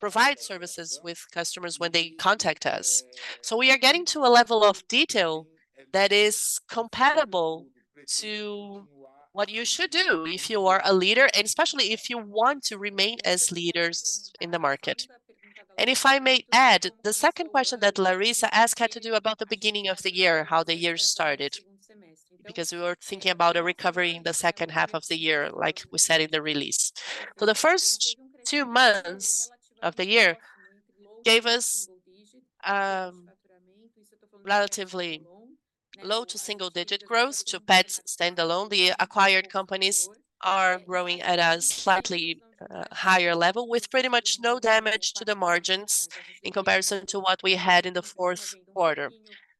provide services with customers when they contact us. So we are getting to a level of detail that is compatible to what you should do if you are a leader, and especially if you want to remain as leaders in the market. And if I may add, the second question that Larissa asked had to do about the beginning of the year, how the year started, because we were thinking about a recovery in the second half of the year, like we said in the release. So the first two months of the year gave us relatively low to single-digit growth to Petz standalone. The acquired companies are growing at a slightly higher level, with pretty much no damage to the margins in comparison to what we had in the Q4.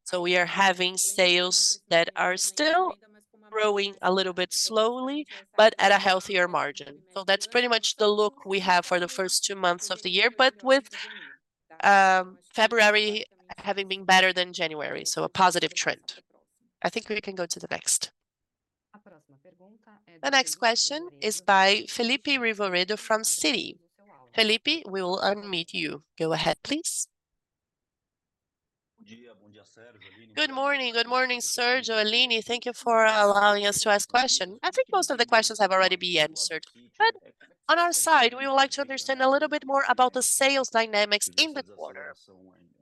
So we are having sales that are still growing a little bit slowly, but at a healthier margin. So that's pretty much the look we have for the first two months of the year. But with February having been better than January, so a positive trend. I think we can go to the next. The next question is by Felipe Rebello from Citi. Felipe, we will unmute you. Go ahead, please. Good morning. Good morning, Sergio, Aline. Thank you for allowing us to ask question. I think most of the questions have already been answered, but on our side, we would like to understand a little bit more about the sales dynamics in the quarter.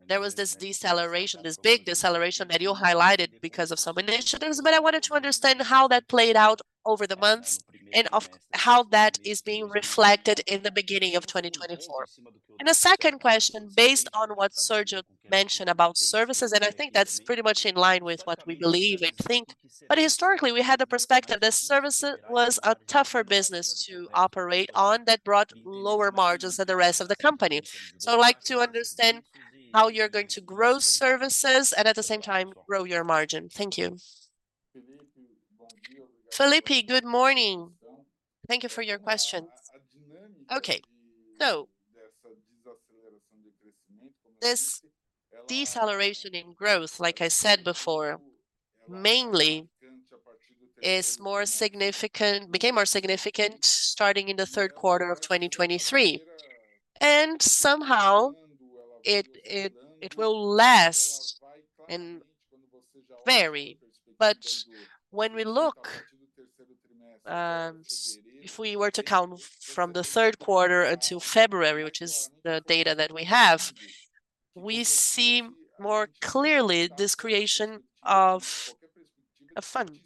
There was this deceleration, this big deceleration that you highlighted because of some initiatives, but I wanted to understand how that played out over the months, and of how that is being reflected in the beginning of 2024. And a second question, based on what Sergio mentioned about services, and I think that's pretty much in line with what we believe and think, but historically, we had the perspective that service was a tougher business to operate on, that brought lower margins than the rest of the company. So I'd like to understand how you're going to grow services and at the same time grow your margin. Thank you. Felipe, good morning. Thank you for your questions. Okay, so this deceleration in growth, like I said before, mainly became more significant starting in the Q3 of 2023, and somehow, it will last and vary. But when we look, if we were to count from the Q3 until February, which is the data that we have, we see more clearly this creation of a fund.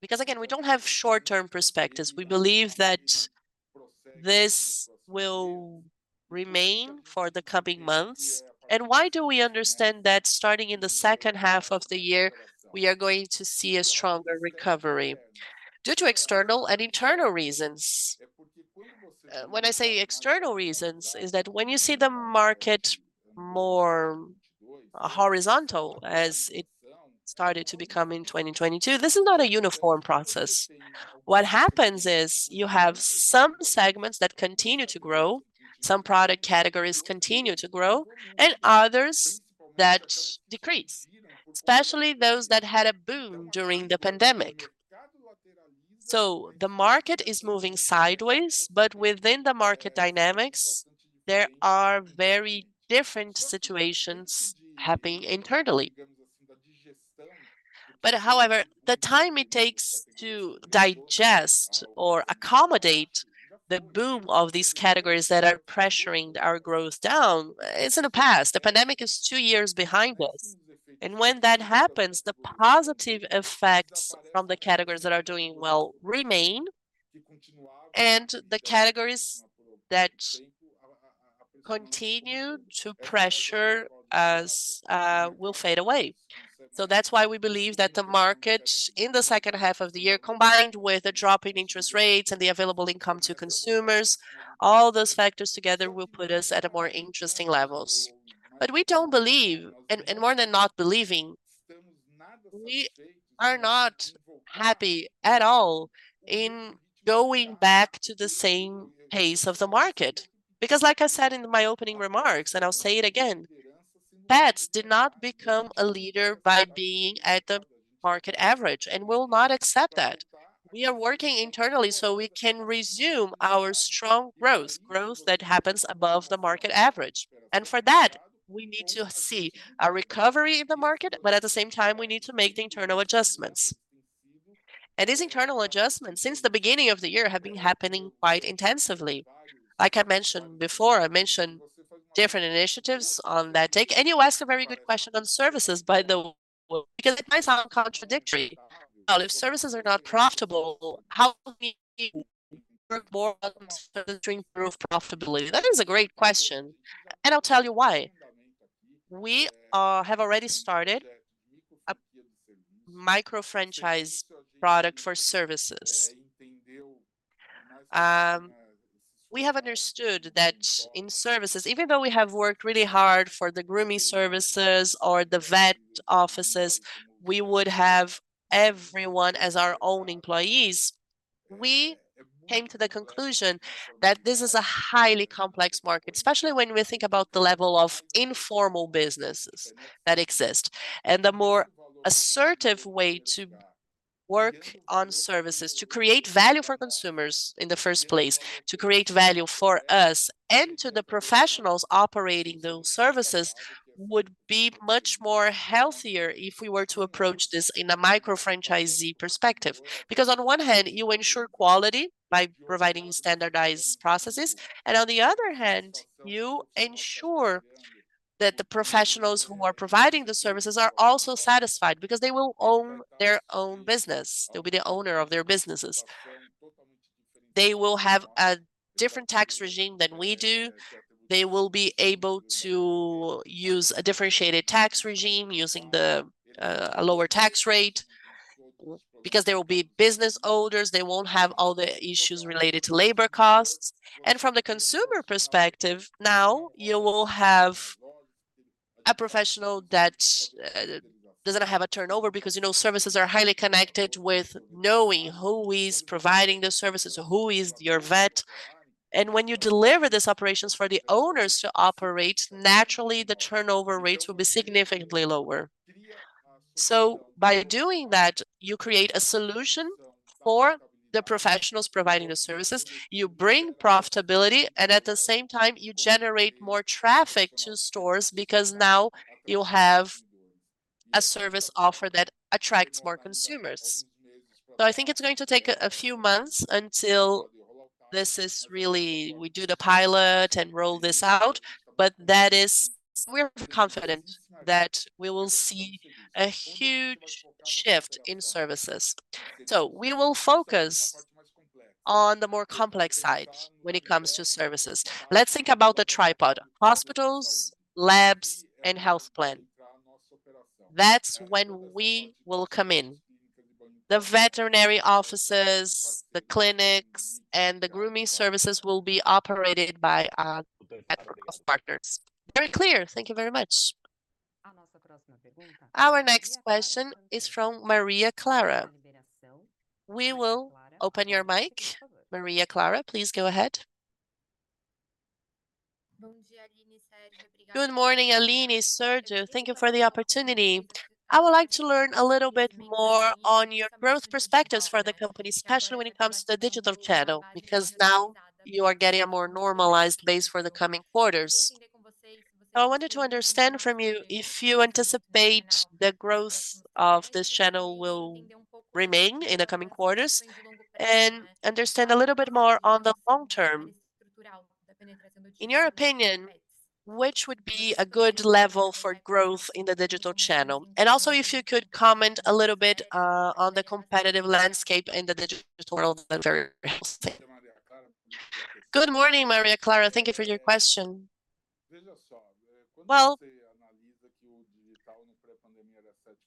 Because, again, we don't have short-term perspectives. We believe that this will remain for the coming months. And why do we understand that starting in the second half of the year, we are going to see a stronger recovery? Due to external and internal reasons. When I say external reasons, [it's] that when you see the market more horizontal, as it started to become in 2022, this is not a uniform process. What happens is you have some segments that continue to grow, some product categories continue to grow, and others that decrease, especially those that had a boom during the pandemic. So the market is moving sideways, but within the market dynamics, there are very different situations happening internally. But however, the time it takes to digest or accommodate the boom of these categories that are pressuring our growth down is in the past. The pandemic is two years behind us, and when that happens, the positive effects from the categories that are doing well remain, and the categories that continue to pressure us will fade away. So that's why we believe that the market in the second half of the year, combined with a drop in interest rates and the available income to consumers, all those factors together will put us at a more interesting levels. But we don't believe, and, and more than not believing, we are not happy at all in going back to the same pace of the market. Because like I said in my opening remarks, and I'll say it again, Petz did not become a leader by being at the market average, and we will not accept that. We are working internally so we can resume our strong growth, growth that happens above the market average. And for that, we need to see a recovery in the market, but at the same time, we need to make the internal adjustments. These internal adjustments, since the beginning of the year, have been happening quite intensively. Like I mentioned before, different initiatives on that take. You ask a very good question on services, by the way, because it might sound contradictory. Now, if services are not profitable, how can we work more on further improve profitability? That is a great question, and I'll tell you why. We have already started a micro-franchise product for services. We have understood that in services, even though we have worked really hard for the grooming services or the vet offices, we would have everyone as our own employees. We came to the conclusion that this is a highly complex market, especially when we think about the level of informal businesses that exist. The more assertive way to work on services, to create value for consumers in the first place, to create value for us and to the professionals operating those services, would be much more healthier if we were to approach this in a micro-franchisee perspective. Because on one hand, you ensure quality by providing standardized processes, and on the other hand, you ensure that the professionals who are providing the services are also satisfied because they will own their own business. They'll be the owner of their businesses. They will have a different tax regime than we do. They will be able to use a differentiated tax regime using the, a lower tax rate. Because they will be business owners, they won't have all the issues related to labor costs. From the consumer perspective, now you will have a professional that doesn't have a turnover because, you know, services are highly connected with knowing who is providing the services or who is your vet. When you deliver these operations for the owners to operate, naturally the turnover rates will be significantly lower. By doing that, you create a solution for the professionals providing the services, you bring profitability, and at the same time, you generate more traffic to stores because now you have a service offer that attracts more consumers. I think it's going to take a few months until this is really... We do the pilot and roll this out, but that is. We're confident that we will see a huge shift in services. We will focus on the more complex side when it comes to services. Let's think about the tripod: hospitals, labs, and health plan. That's when we will come in. The veterinary offices, the clinics, and the grooming services will be operated by our network of partners. Very clear. Thank you very much. Our next question is from Maria Clara. We will open your mic. Maria Clara, please go ahead. Good morning, Aline, Sergio. Thank you for the opportunity. I would like to learn a little bit more on your growth perspectives for the company, especially when it comes to the digital channel, because now you are getting a more normalized base for the coming quarters. So I wanted to understand from you if you anticipate the growth of this channel will remain in the coming quarters, and understand a little bit more on the long term. In your opinion, which would be a good level for growth in the digital channel? And also, if you could comment a little bit on the competitive landscape in the digital world and Petz. Good morning, Maria Clara. Thank you for your question. Well,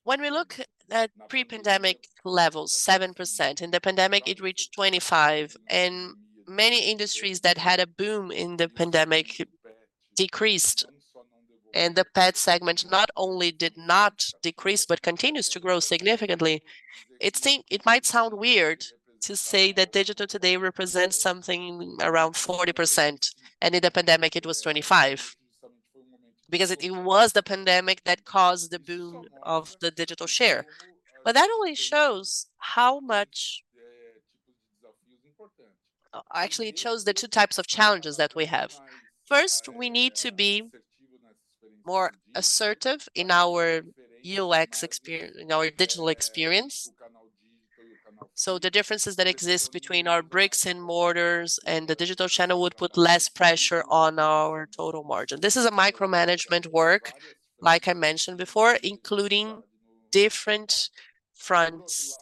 when we look at pre-pandemic levels, 7%, in the pandemic it reached 25, and many industries that had a boom in the pandemic decreased. And the pet segment not only did not decrease, but continues to grow significantly. It might sound weird to say that digital today represents something around 40%, and in the pandemic it was 25, because it was the pandemic that caused the boom of the digital share. But that only shows how much... Actually, it shows the two types of challenges that we have. First, we need to be more assertive in our UX in our digital experience, so the differences that exist between our bricks and mortars and the digital channel would put less pressure on our total margin. This is a micromanagement work, like I mentioned before, including different fronts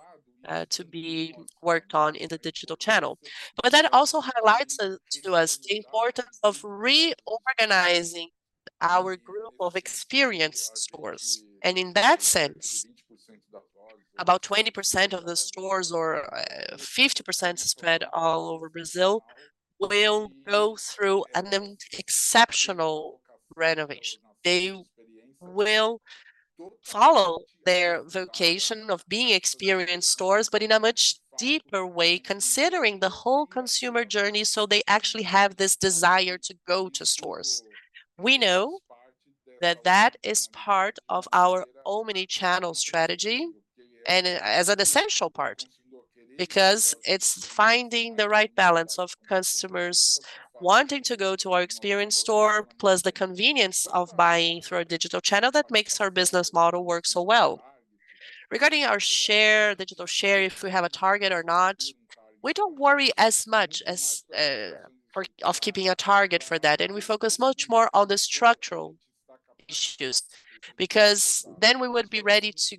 to be worked on in the digital channel. But that also highlights to us the importance of reorganizing our group of experience stores. And in that sense, about 20% of the stores or 50 stores spread all over Brazil will go through an exceptional renovation. They will follow their vocation of being experience stores, but in a much deeper way, considering the whole consumer journey, so they actually have this desire to go to stores. We know that that is part of our omni-channel strategy, and as an essential part, because it's finding the right balance of customers wanting to go to our experience store, plus the convenience of buying through our digital channel that makes our business model work so well. Regarding our share, digital share, if we have a target or not, we don't worry as much as of keeping a target for that, and we focus much more on the structural issues. Because then we would be ready to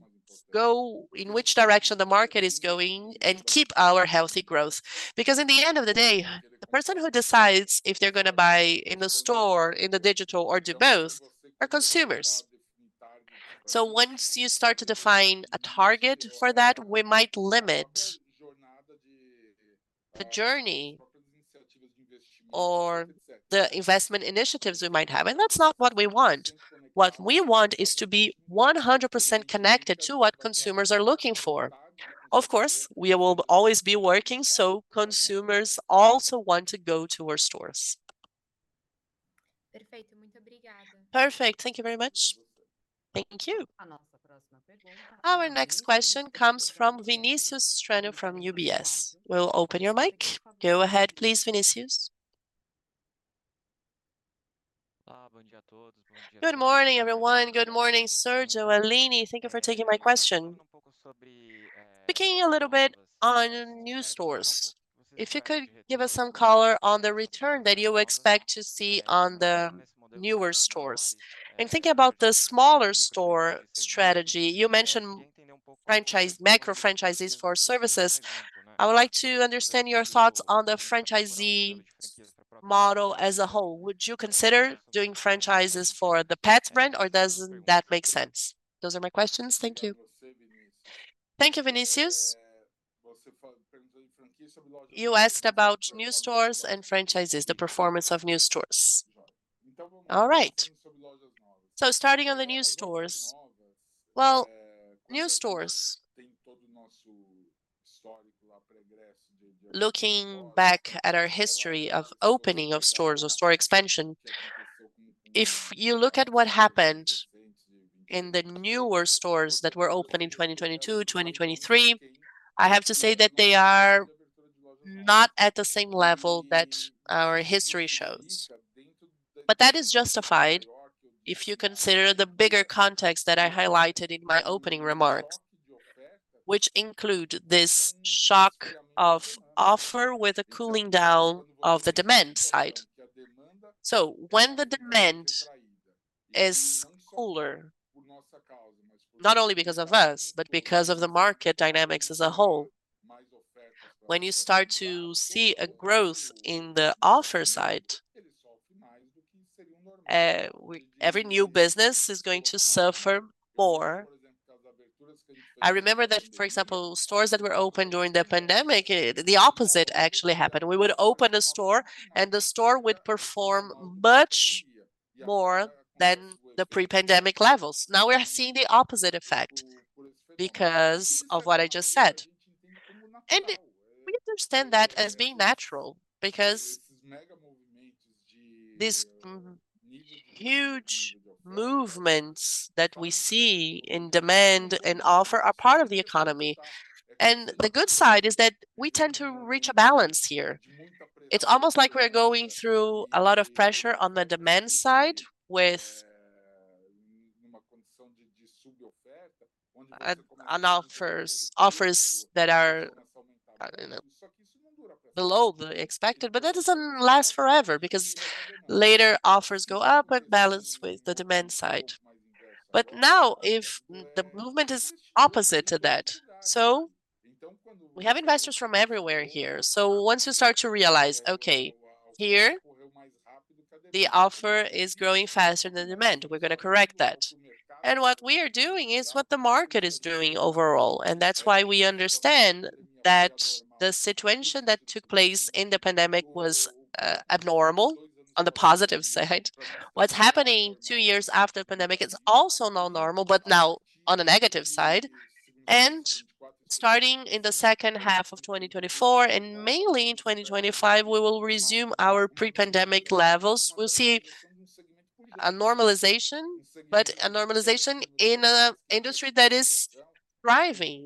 go in which direction the market is going and keep our healthy growth. Because in the end of the day, the person who decides if they're gonna buy in the store, in the digital, or do both, are consumers. Once you start to define a target for that, we might limit the journey or the investment initiatives we might have, and that's not what we want. What we want is to be 100% connected to what consumers are looking for. Of course, we will always be working, so consumers also want to go to our stores. Perfect. Thank you very much. Thank you. Our next question comes from Vinicius Strano from UBS. We'll open your mic. Go ahead, please, Vinicius. Good morning, everyone. Good morning, Sergio, Aline. Thank you for taking my question. Speaking a little bit on new stores, if you could give us some color on the return that you expect to see on the newer stores. In thinking about the smaller store strategy, you mentioned franchise micro-franchises for services. I would like to understand your thoughts on the franchisee model as a whole. Would you consider doing franchises for the Petz brand, or doesn't that make sense? Those are my questions. Thank you. Thank you, Vinicius. You asked about new stores and franchises, the performance of new stores. All right, so starting on the new stores. Well, new stores, looking back at our history of opening of stores or store expansion, if you look at what happened in the newer stores that were opened in 2022, 2023, I have to say that they are not at the same level that our history shows. But that is justified if you consider the bigger context that I highlighted in my opening remarks, which include this shock of offer with a cooling down of the demand side. So when the demand is cooler, not only because of us, but because of the market dynamics as a whole, when you start to see a growth in the offer side, every new business is going to suffer more. I remember that, for example, stores that were opened during the pandemic, the opposite actually happened. We would open a store, and the store would perform much more than the pre-pandemic levels. Now, we are seeing the opposite effect because of what I just said. And we understand that as being natural, because these huge movements that we see in demand and offer are part of the economy, and the good side is that we tend to reach a balance here. It's almost like we're going through a lot of pressure on the demand side, with, on offers, offers that are, you know, below the expected. But that doesn't last forever, because later offers go up and balance with the demand side. But now, if the movement is opposite to that. So we have investors from everywhere here, so once you start to realize, "Okay, here, the offer is growing faster than demand," we're gonna correct that. What we are doing is what the market is doing overall, and that's why we understand that the situation that took place in the pandemic was abnormal, on the positive side. What's happening two years after the pandemic is also not normal, but now on the negative side. And starting in the second half of 2024, and mainly in 2025, we will resume our pre-pandemic levels. We'll see a normalization, but a normalization in an industry that is thriving.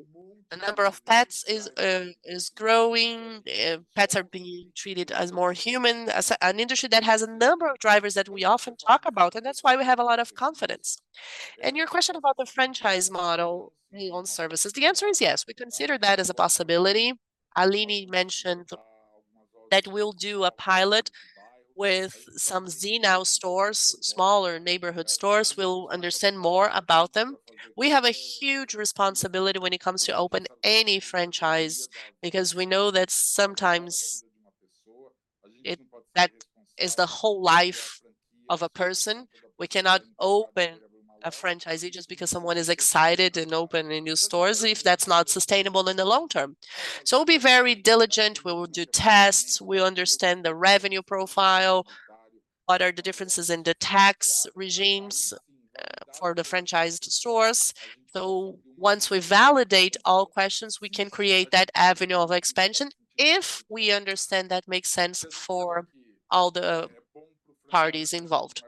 The number of pets is growing, pets are being treated as more human. As an industry that has a number of drivers that we often talk about, and that's why we have a lot of confidence. And your question about the franchise model on services, the answer is yes. We consider that as a possibility. Aline mentioned that we'll do a pilot with some Zee.Now stores, smaller neighborhood stores. We'll understand more about them. We have a huge responsibility when it comes to open any franchise, because we know that sometimes that is the whole life of a person. We cannot open a franchisee just because someone is excited and opening new stores, if that's not sustainable in the long term. So we'll be very diligent. We will do tests. We understand the revenue profile. What are the differences in the tax regimes for the franchised stores? So once we validate all questions, we can create that avenue of expansion, if we understand that makes sense for all the parties involved.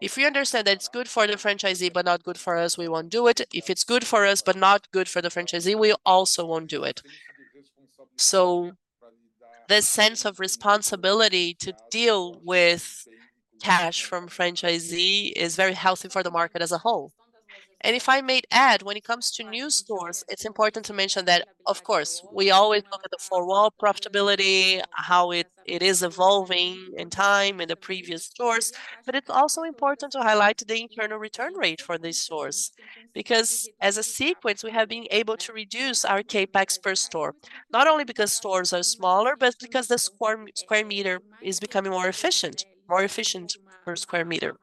If we understand that it's good for the franchisee, but not good for us, we won't do it. If it's good for us, but not good for the franchisee, we also won't do it. So, this sense of responsibility to deal with cash from franchisee is very healthy for the market as a whole. And if I may add, when it comes to new stores, it's important to mention that, of course, we always look at the four-wall profitability, how it is evolving in time in the previous stores, but it's also important to highlight the internal return rate for these stores. Because as a sequence, we have been able to reduce our CapEx per store, not only because stores are smaller, but because the square meter is becoming more efficient, more efficient per square meter.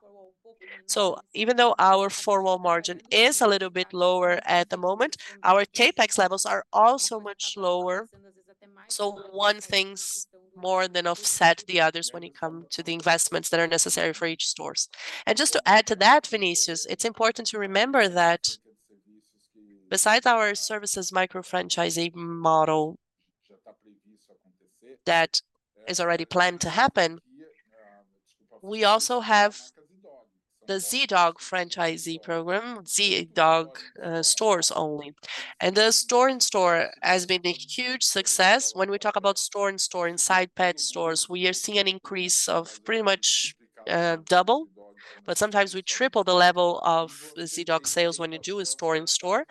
So even though our four-wall margin is a little bit lower at the moment, our CapEx levels are also much lower, so one thing's more than offset the others when it come to the investments that are necessary for each stores. And just to add to that, Vinicius, it's important to remember that besides our Seres micro-franchisee model that is already planned to happen, we also have the Zee.Dog franchisee program, Zee.Dog stores only, and the store-in-store has been a huge success. When we talk about store-in-store inside pet stores, we are seeing an increase of pretty much double, but sometimes we triple the level of Zee.Dog sales when you do a store-in-store.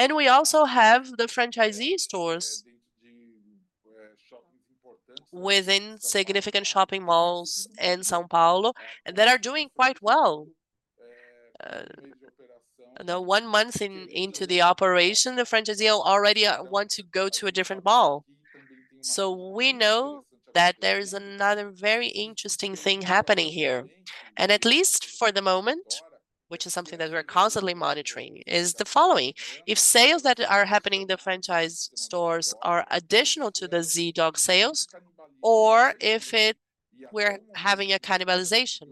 And we also have the franchisee stores within significant shopping malls in São Paulo, and they are doing quite well. The one month in, into the operation, the franchisee already want to go to a different mall. So we know that there is another very interesting thing happening here, and at least for the moment, which is something that we're constantly monitoring, is the following: If sales that are happening in the franchise stores are additional to the Zee.Dog sales, or if it we're having a cannibalization.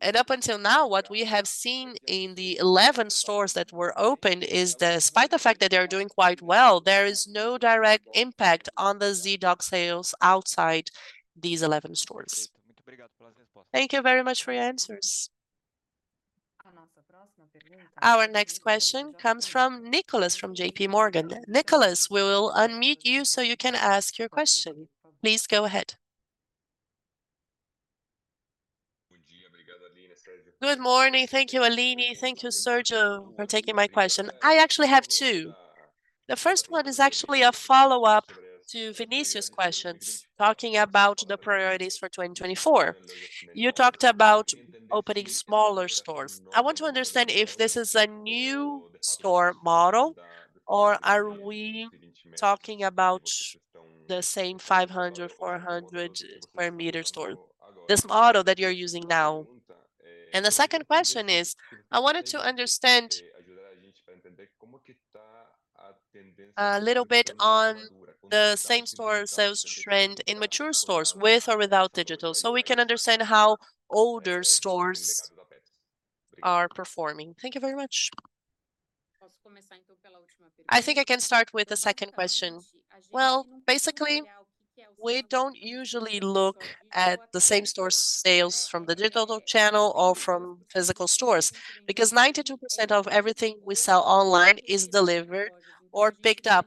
And up until now, what we have seen in the 11 stores that were opened is that despite the fact that they are doing quite well, there is no direct impact on the Zee.Dog sales outside these 11 stores. Thank you very much for your answers. Our next question comes from Nicolas, from JP Morgan. Nicolas, we will unmute you so you can ask your question. Please go ahead. Good morning. Thank you, Aline. Thank you, Sergio, for taking my question. I actually have two. The first one is actually a follow-up to Vinicius' questions, talking about the priorities for 2024. You talked about opening smaller stores. I want to understand if this is a new store model, or are we talking about the same 500, 400 square meter store, this model that you're using now? And the second question is, I wanted to understand a little bit on the same-store sales trend in mature stores, with or without digital, so we can understand how older stores are performing. Thank you very much. I think I can start with the second question. Well, basically, we don't usually look at the same-store sales from the digital channel or from physical stores, because 92% of everything we sell online is delivered or picked up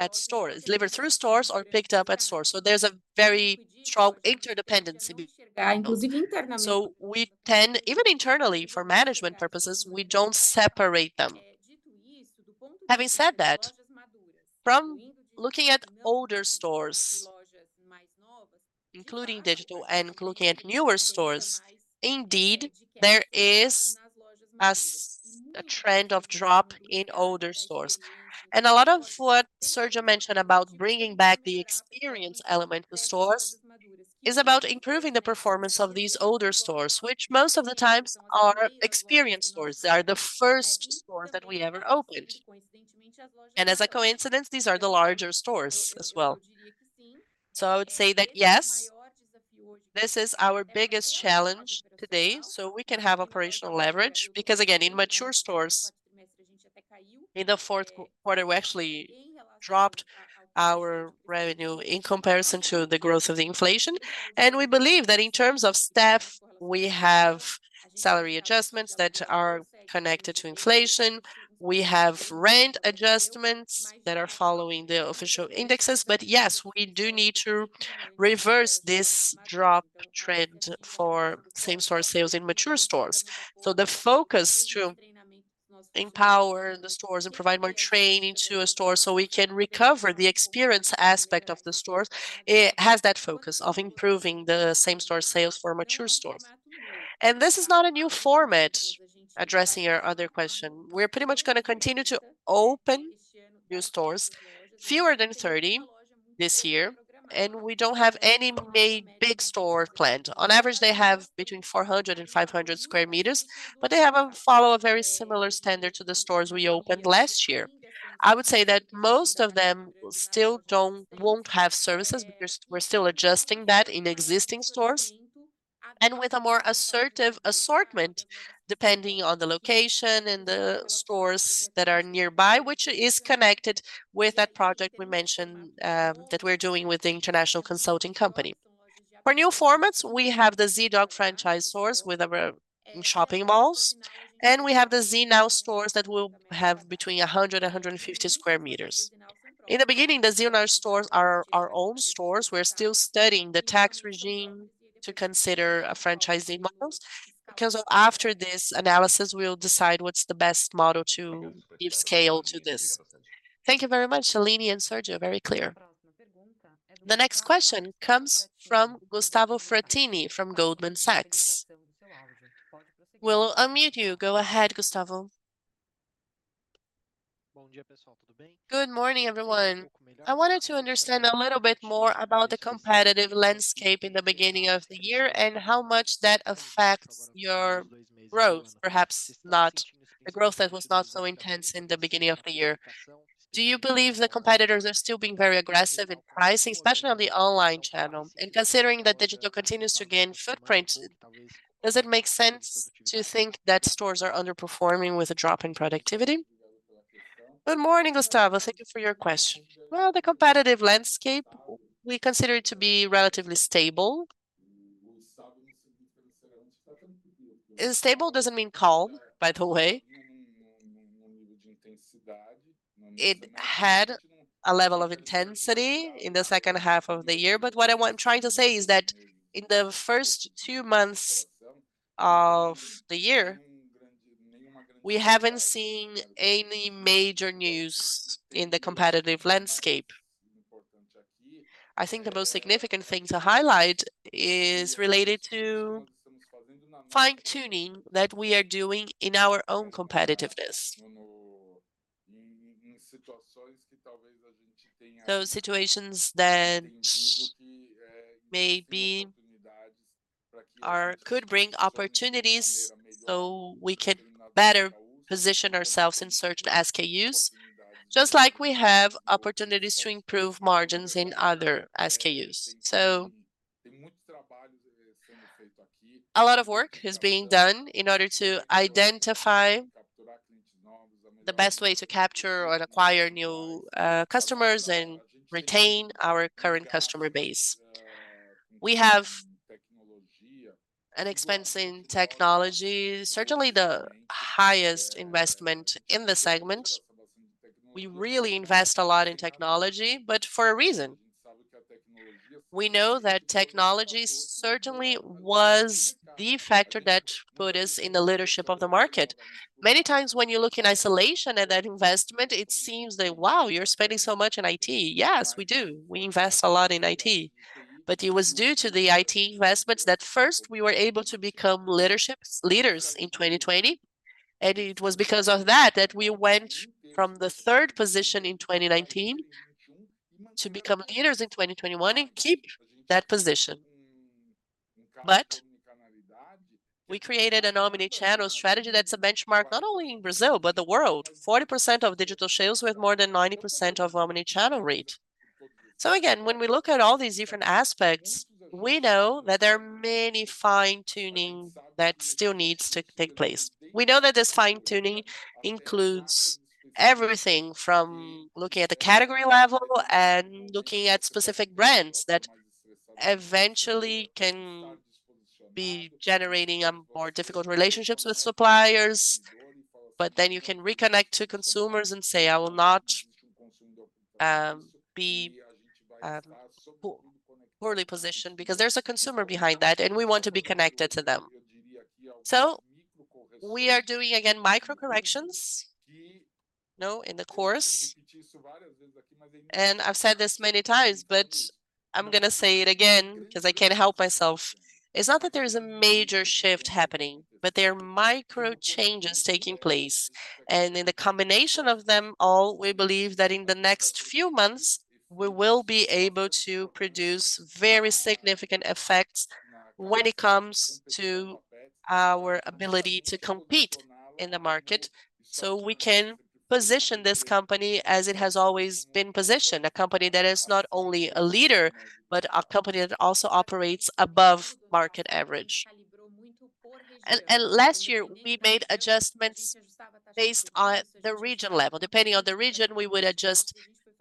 at stores, delivered through stores or picked up at stores, so there's a very strong interdependency between them. Yeah, including internally. So we tend, even internally, for management purposes, we don't separate them. Having said that, from looking at older stores, including digital, and looking at newer stores, indeed, there is a trend of drop in older stores. And a lot of what Sergio mentioned about bringing back the experience element to stores is about improving the performance of these older stores, which most of the times are experienced stores. They are the first stores that we ever opened, and as a coincidence, these are the larger stores as well. So I would say that, yes, this is our biggest challenge today, so we can have operational leverage. Because, again, in mature stores, in the Q4, we actually dropped our revenue in comparison to the growth of the inflation. We believe that in terms of staff, we have salary adjustments that are connected to inflation. We have rent adjustments that are following the official indexes. But yes, we do need to reverse this drop trend for same-store sales in mature stores. So the focus to empower the stores and provide more training to a store so we can recover the experience aspect of the stores, it has that focus of improving the same-store sales for mature stores. This is not a new format, addressing your other question. We're pretty much gonna continue to open new stores, fewer than 30 this year, and we don't have any big store planned. On average, they have between 400-500 square meters, but they follow a very similar standard to the stores we opened last year. I would say that most of them still won't have services, because we're still adjusting that in existing stores, and with a more assertive assortment, depending on the location and the stores that are nearby, which is connected with that project we mentioned, that we're doing with the international consulting company. For new formats, we have the Zee.Dog franchise stores with our shopping malls, and we have the Zee.Now stores that will have between 100-150 square meters. In the beginning, the Zee.Now stores are our own stores. We're still studying the tax regime to consider franchising models, because after this analysis, we'll decide what's the best model to give scale to this. Thank you very much, Aline and Sergio. Very clear. The next question comes from Gustavo Fratini from Goldman Sachs. We'll unmute you. Go ahead, Gustavo. Good morning, everyone. I wanted to understand a little bit more about the competitive landscape in the beginning of the year, and how much that affects your growth, perhaps not a growth that was not so intense in the beginning of the year. Do you believe the competitors are still being very aggressive in pricing, especially on the online channel? And considering that digital continues to gain footprint, does it make sense to think that stores are underperforming with a drop in productivity? Good morning, Gustavo. Thank you for your question. Well, the competitive landscape, we consider it to be relatively stable. And stable doesn't mean calm, by the way. It had a level of intensity in the second half of the year, but what I want- I'm trying to say is that in the first two months of the year, we haven't seen any major news in the competitive landscape. I think the most significant thing to highlight is related to fine-tuning that we are doing in our own competitiveness. Those situations that maybe are... could bring opportunities, so we can better position ourselves in certain SKUs, just like we have opportunities to improve margins in other SKUs. So a lot of work is being done in order to identify the best way to capture or acquire new customers and retain our current customer base. We have an expense in technology, certainly the highest investment in the segment. We really invest a lot in technology, but for a reason. We know that technology certainly was the factor that put us in the leadership of the market. Many times, when you look in isolation at that investment, it seems that, wow, you're spending so much in IT. Yes, we do. We invest a lot in IT, but it was due to the IT investments that first we were able to become leaders in 2020, and it was because of that that we went from the third position in 2019 to become leaders in 2021 and keep that position. But we created an omni-channel strategy that's a benchmark, not only in Brazil, but the world. 40% of digital sales, we have more than 90% of omni-channel rate. So again, when we look at all these different aspects, we know that there are many fine-tuning that still needs to take place. We know that this fine-tuning includes everything from looking at the category level and looking at specific brands that eventually can be generating more difficult relationships with suppliers. But then you can reconnect to consumers and say, "I will not be poorly positioned," because there's a consumer behind that, and we want to be connected to them. So we are doing, again, micro corrections, you know, in the course. And I've said this many times, but I'm gonna say it again, 'cause I can't help myself. It's not that there's a major shift happening, but there are micro changes taking place, and in the combination of them all, we believe that in the next few months, we will be able to produce very significant effects when it comes to our ability to compete in the market. So we can position this company as it has always been positioned, a company that is not only a leader, but a company that also operates above market average. And last year, we made adjustments based on the region level. Depending on the region, we would adjust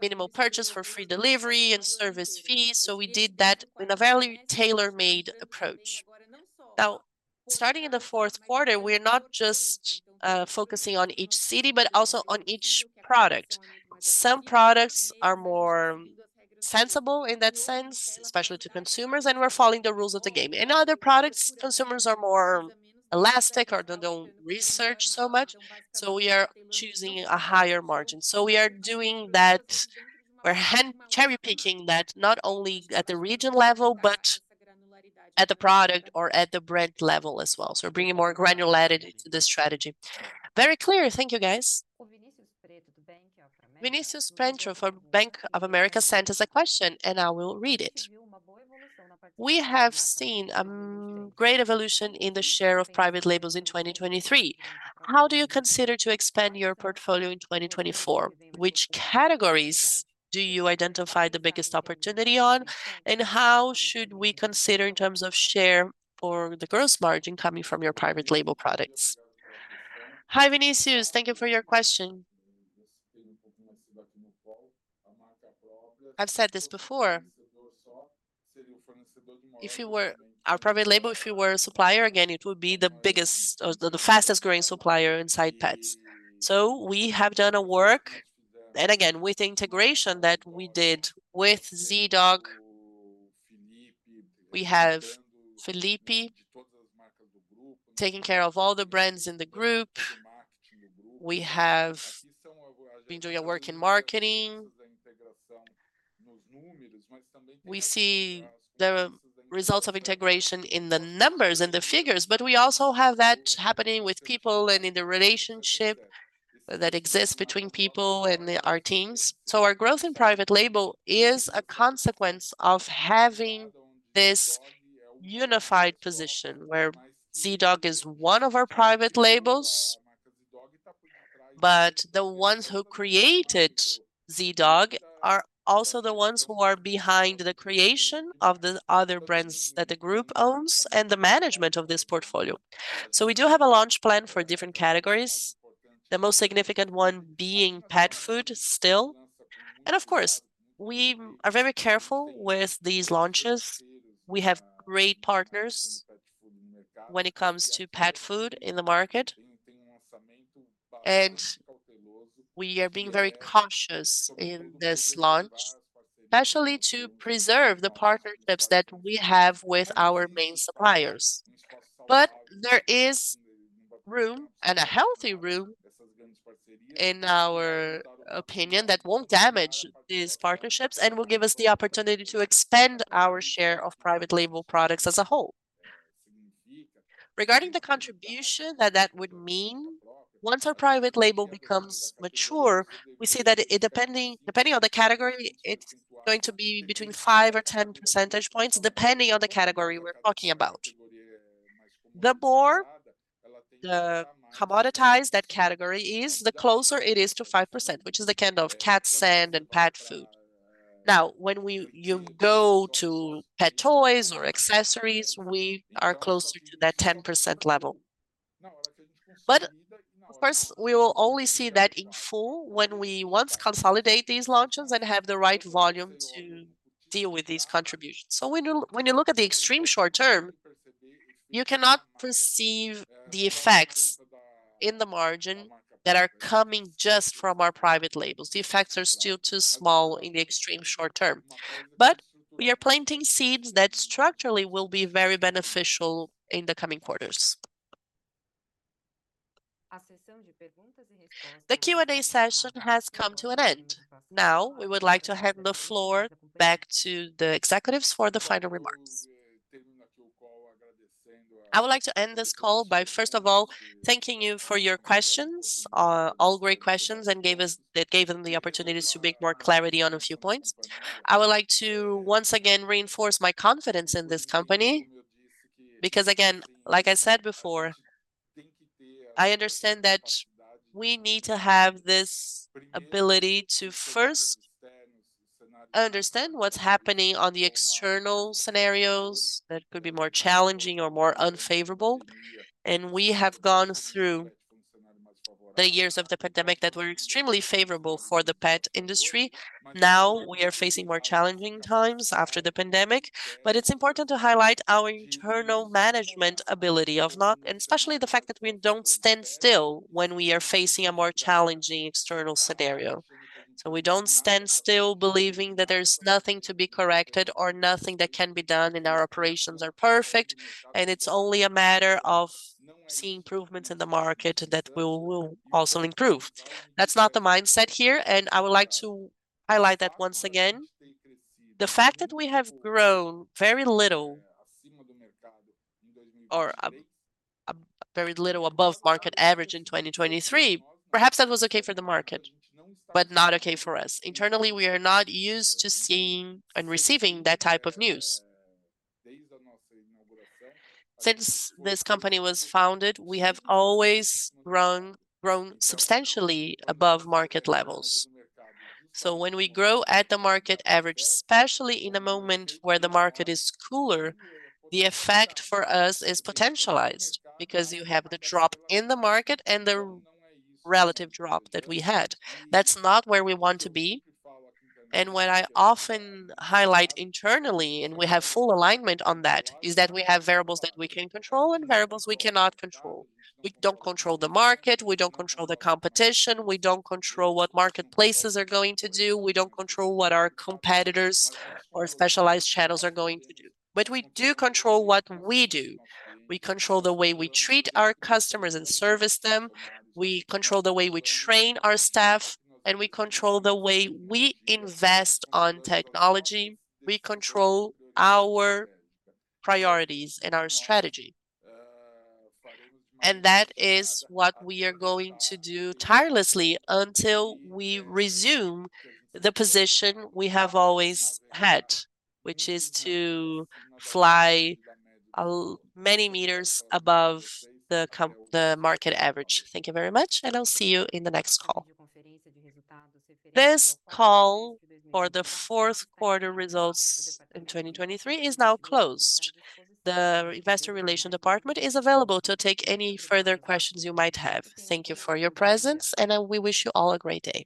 minimal purchase for free delivery and service fees, so we did that in a very tailor-made approach. Now, starting in the Q4, we're not just, focusing on each city, but also on each product. Some products are more sensible in that sense, especially to consumers, and we're following the rules of the game. In other products, consumers are more elastic or they don't research so much, so we are choosing a higher margin. So we are doing that. We're cherry-picking that, not only at the region level, but at the product or at the brand level as well, so we're bringing more granularity to the strategy. Very clear. Thank you, guys. Vinicius Pena from Bank of America sent us a question, and I will read it: "We have seen great evolution in the share of private labels in 2023. How do you consider to expand your portfolio in 2024? Which categories do you identify the biggest opportunity on, and how should we consider in terms of share for the gross margin coming from your private label products?" Hi, Vinicius. Thank you for your question. I've said this before, if you were our private label, if you were a supplier, again, it would be the biggest or the, the fastest growing supplier inside Petz. So we have done a work, and again, with integration that we did with Zee.Dog. We have Felipe taking care of all the brands in the group. We have been doing a work in marketing. We see the results of integration in the numbers and the figures, but we also have that happening with people and in the relationship that exists between people and our teams. So our growth in private label is a consequence of having this unified position, where Zee.Dog is one of our private labels, but the ones who created Zee.Dog are also the ones who are behind the creation of the other brands that the group owns and the management of this portfolio. So we do have a launch plan for different categories, the most significant one being pet food still. And of course, we are very careful with these launches. We have great partners when it comes to pet food in the market, and we are being very cautious in this launch, especially to preserve the partnerships that we have with our main suppliers. But there is room, and a healthy room, in our opinion, that won't damage these partnerships and will give us the opportunity to expand our share of private label products as a whole. Regarding the contribution that would mean, once our private label becomes mature, we see that it, depending on the category, it's going to be between 5 or 10 percentage points, depending on the category we're talking about. The more the commoditized that category is, the closer it is to 5%, which is the kind of cat sand and pet food. Now, when you go to pet toys or accessories, we are closer to that 10% level. But of course, we will only see that in full when we once consolidate these launches and have the right volume to deal with these contributions. So when you look at the extreme short term, you cannot perceive the effects in the margin that are coming just from our private labels. The effects are still too small in the extreme short term, but we are planting seeds that structurally will be very beneficial in the coming quarters. The Q&A session has come to an end. Now, we would like to hand the floor back to the executives for the final remarks. I would like to end this call by, first of all, thanking you for your questions. All great questions, and that gave them the opportunities to make more clarity on a few points. I would like to once again reinforce my confidence in this company, because, again, like I said before, I understand that we need to have this ability to first understand what's happening on the external scenarios that could be more challenging or more unfavorable, and we have gone through the years of the pandemic that were extremely favorable for the pet industry. Now, we are facing more challenging times after the pandemic, but it's important to highlight our internal management ability of not... and especially the fact that we don't stand still when we are facing a more challenging external scenario. We don't stand still believing that there's nothing to be corrected or nothing that can be done, and our operations are perfect, and it's only a matter of seeing improvements in the market that we will also improve. That's not the mindset here, and I would like to highlight that once again. The fact that we have grown very little or, a very little above market average in 2023, perhaps that was okay for the market, but not okay for us. Internally, we are not used to seeing and receiving that type of news. Since this company was founded, we have always grown, grown substantially above market levels. So when we grow at the market average, especially in a moment where the market is cooler, the effect for us is potentialized because you have the drop in the market and the relative drop that we had. That's not where we want to be. And what I often highlight internally, and we have full alignment on that, is that we have variables that we can control and variables we cannot control. We don't control the market, we don't control the competition, we don't control what marketplaces are going to do, we don't control what our competitors or specialized channels are going to do. But we do control what we do. We control the way we treat our customers and service them, we control the way we train our staff, and we control the way we invest on technology. We control our priorities and our strategy. And that is what we are going to do tirelessly until we resume the position we have always had, which is to fly many meters above the market average. Thank you very much, and I'll see you in the next call. This call for the Q4 results in 2023 is now closed. The Investor Relations department is available to take any further questions you might have. Thank you for your presence, and we wish you all a great day.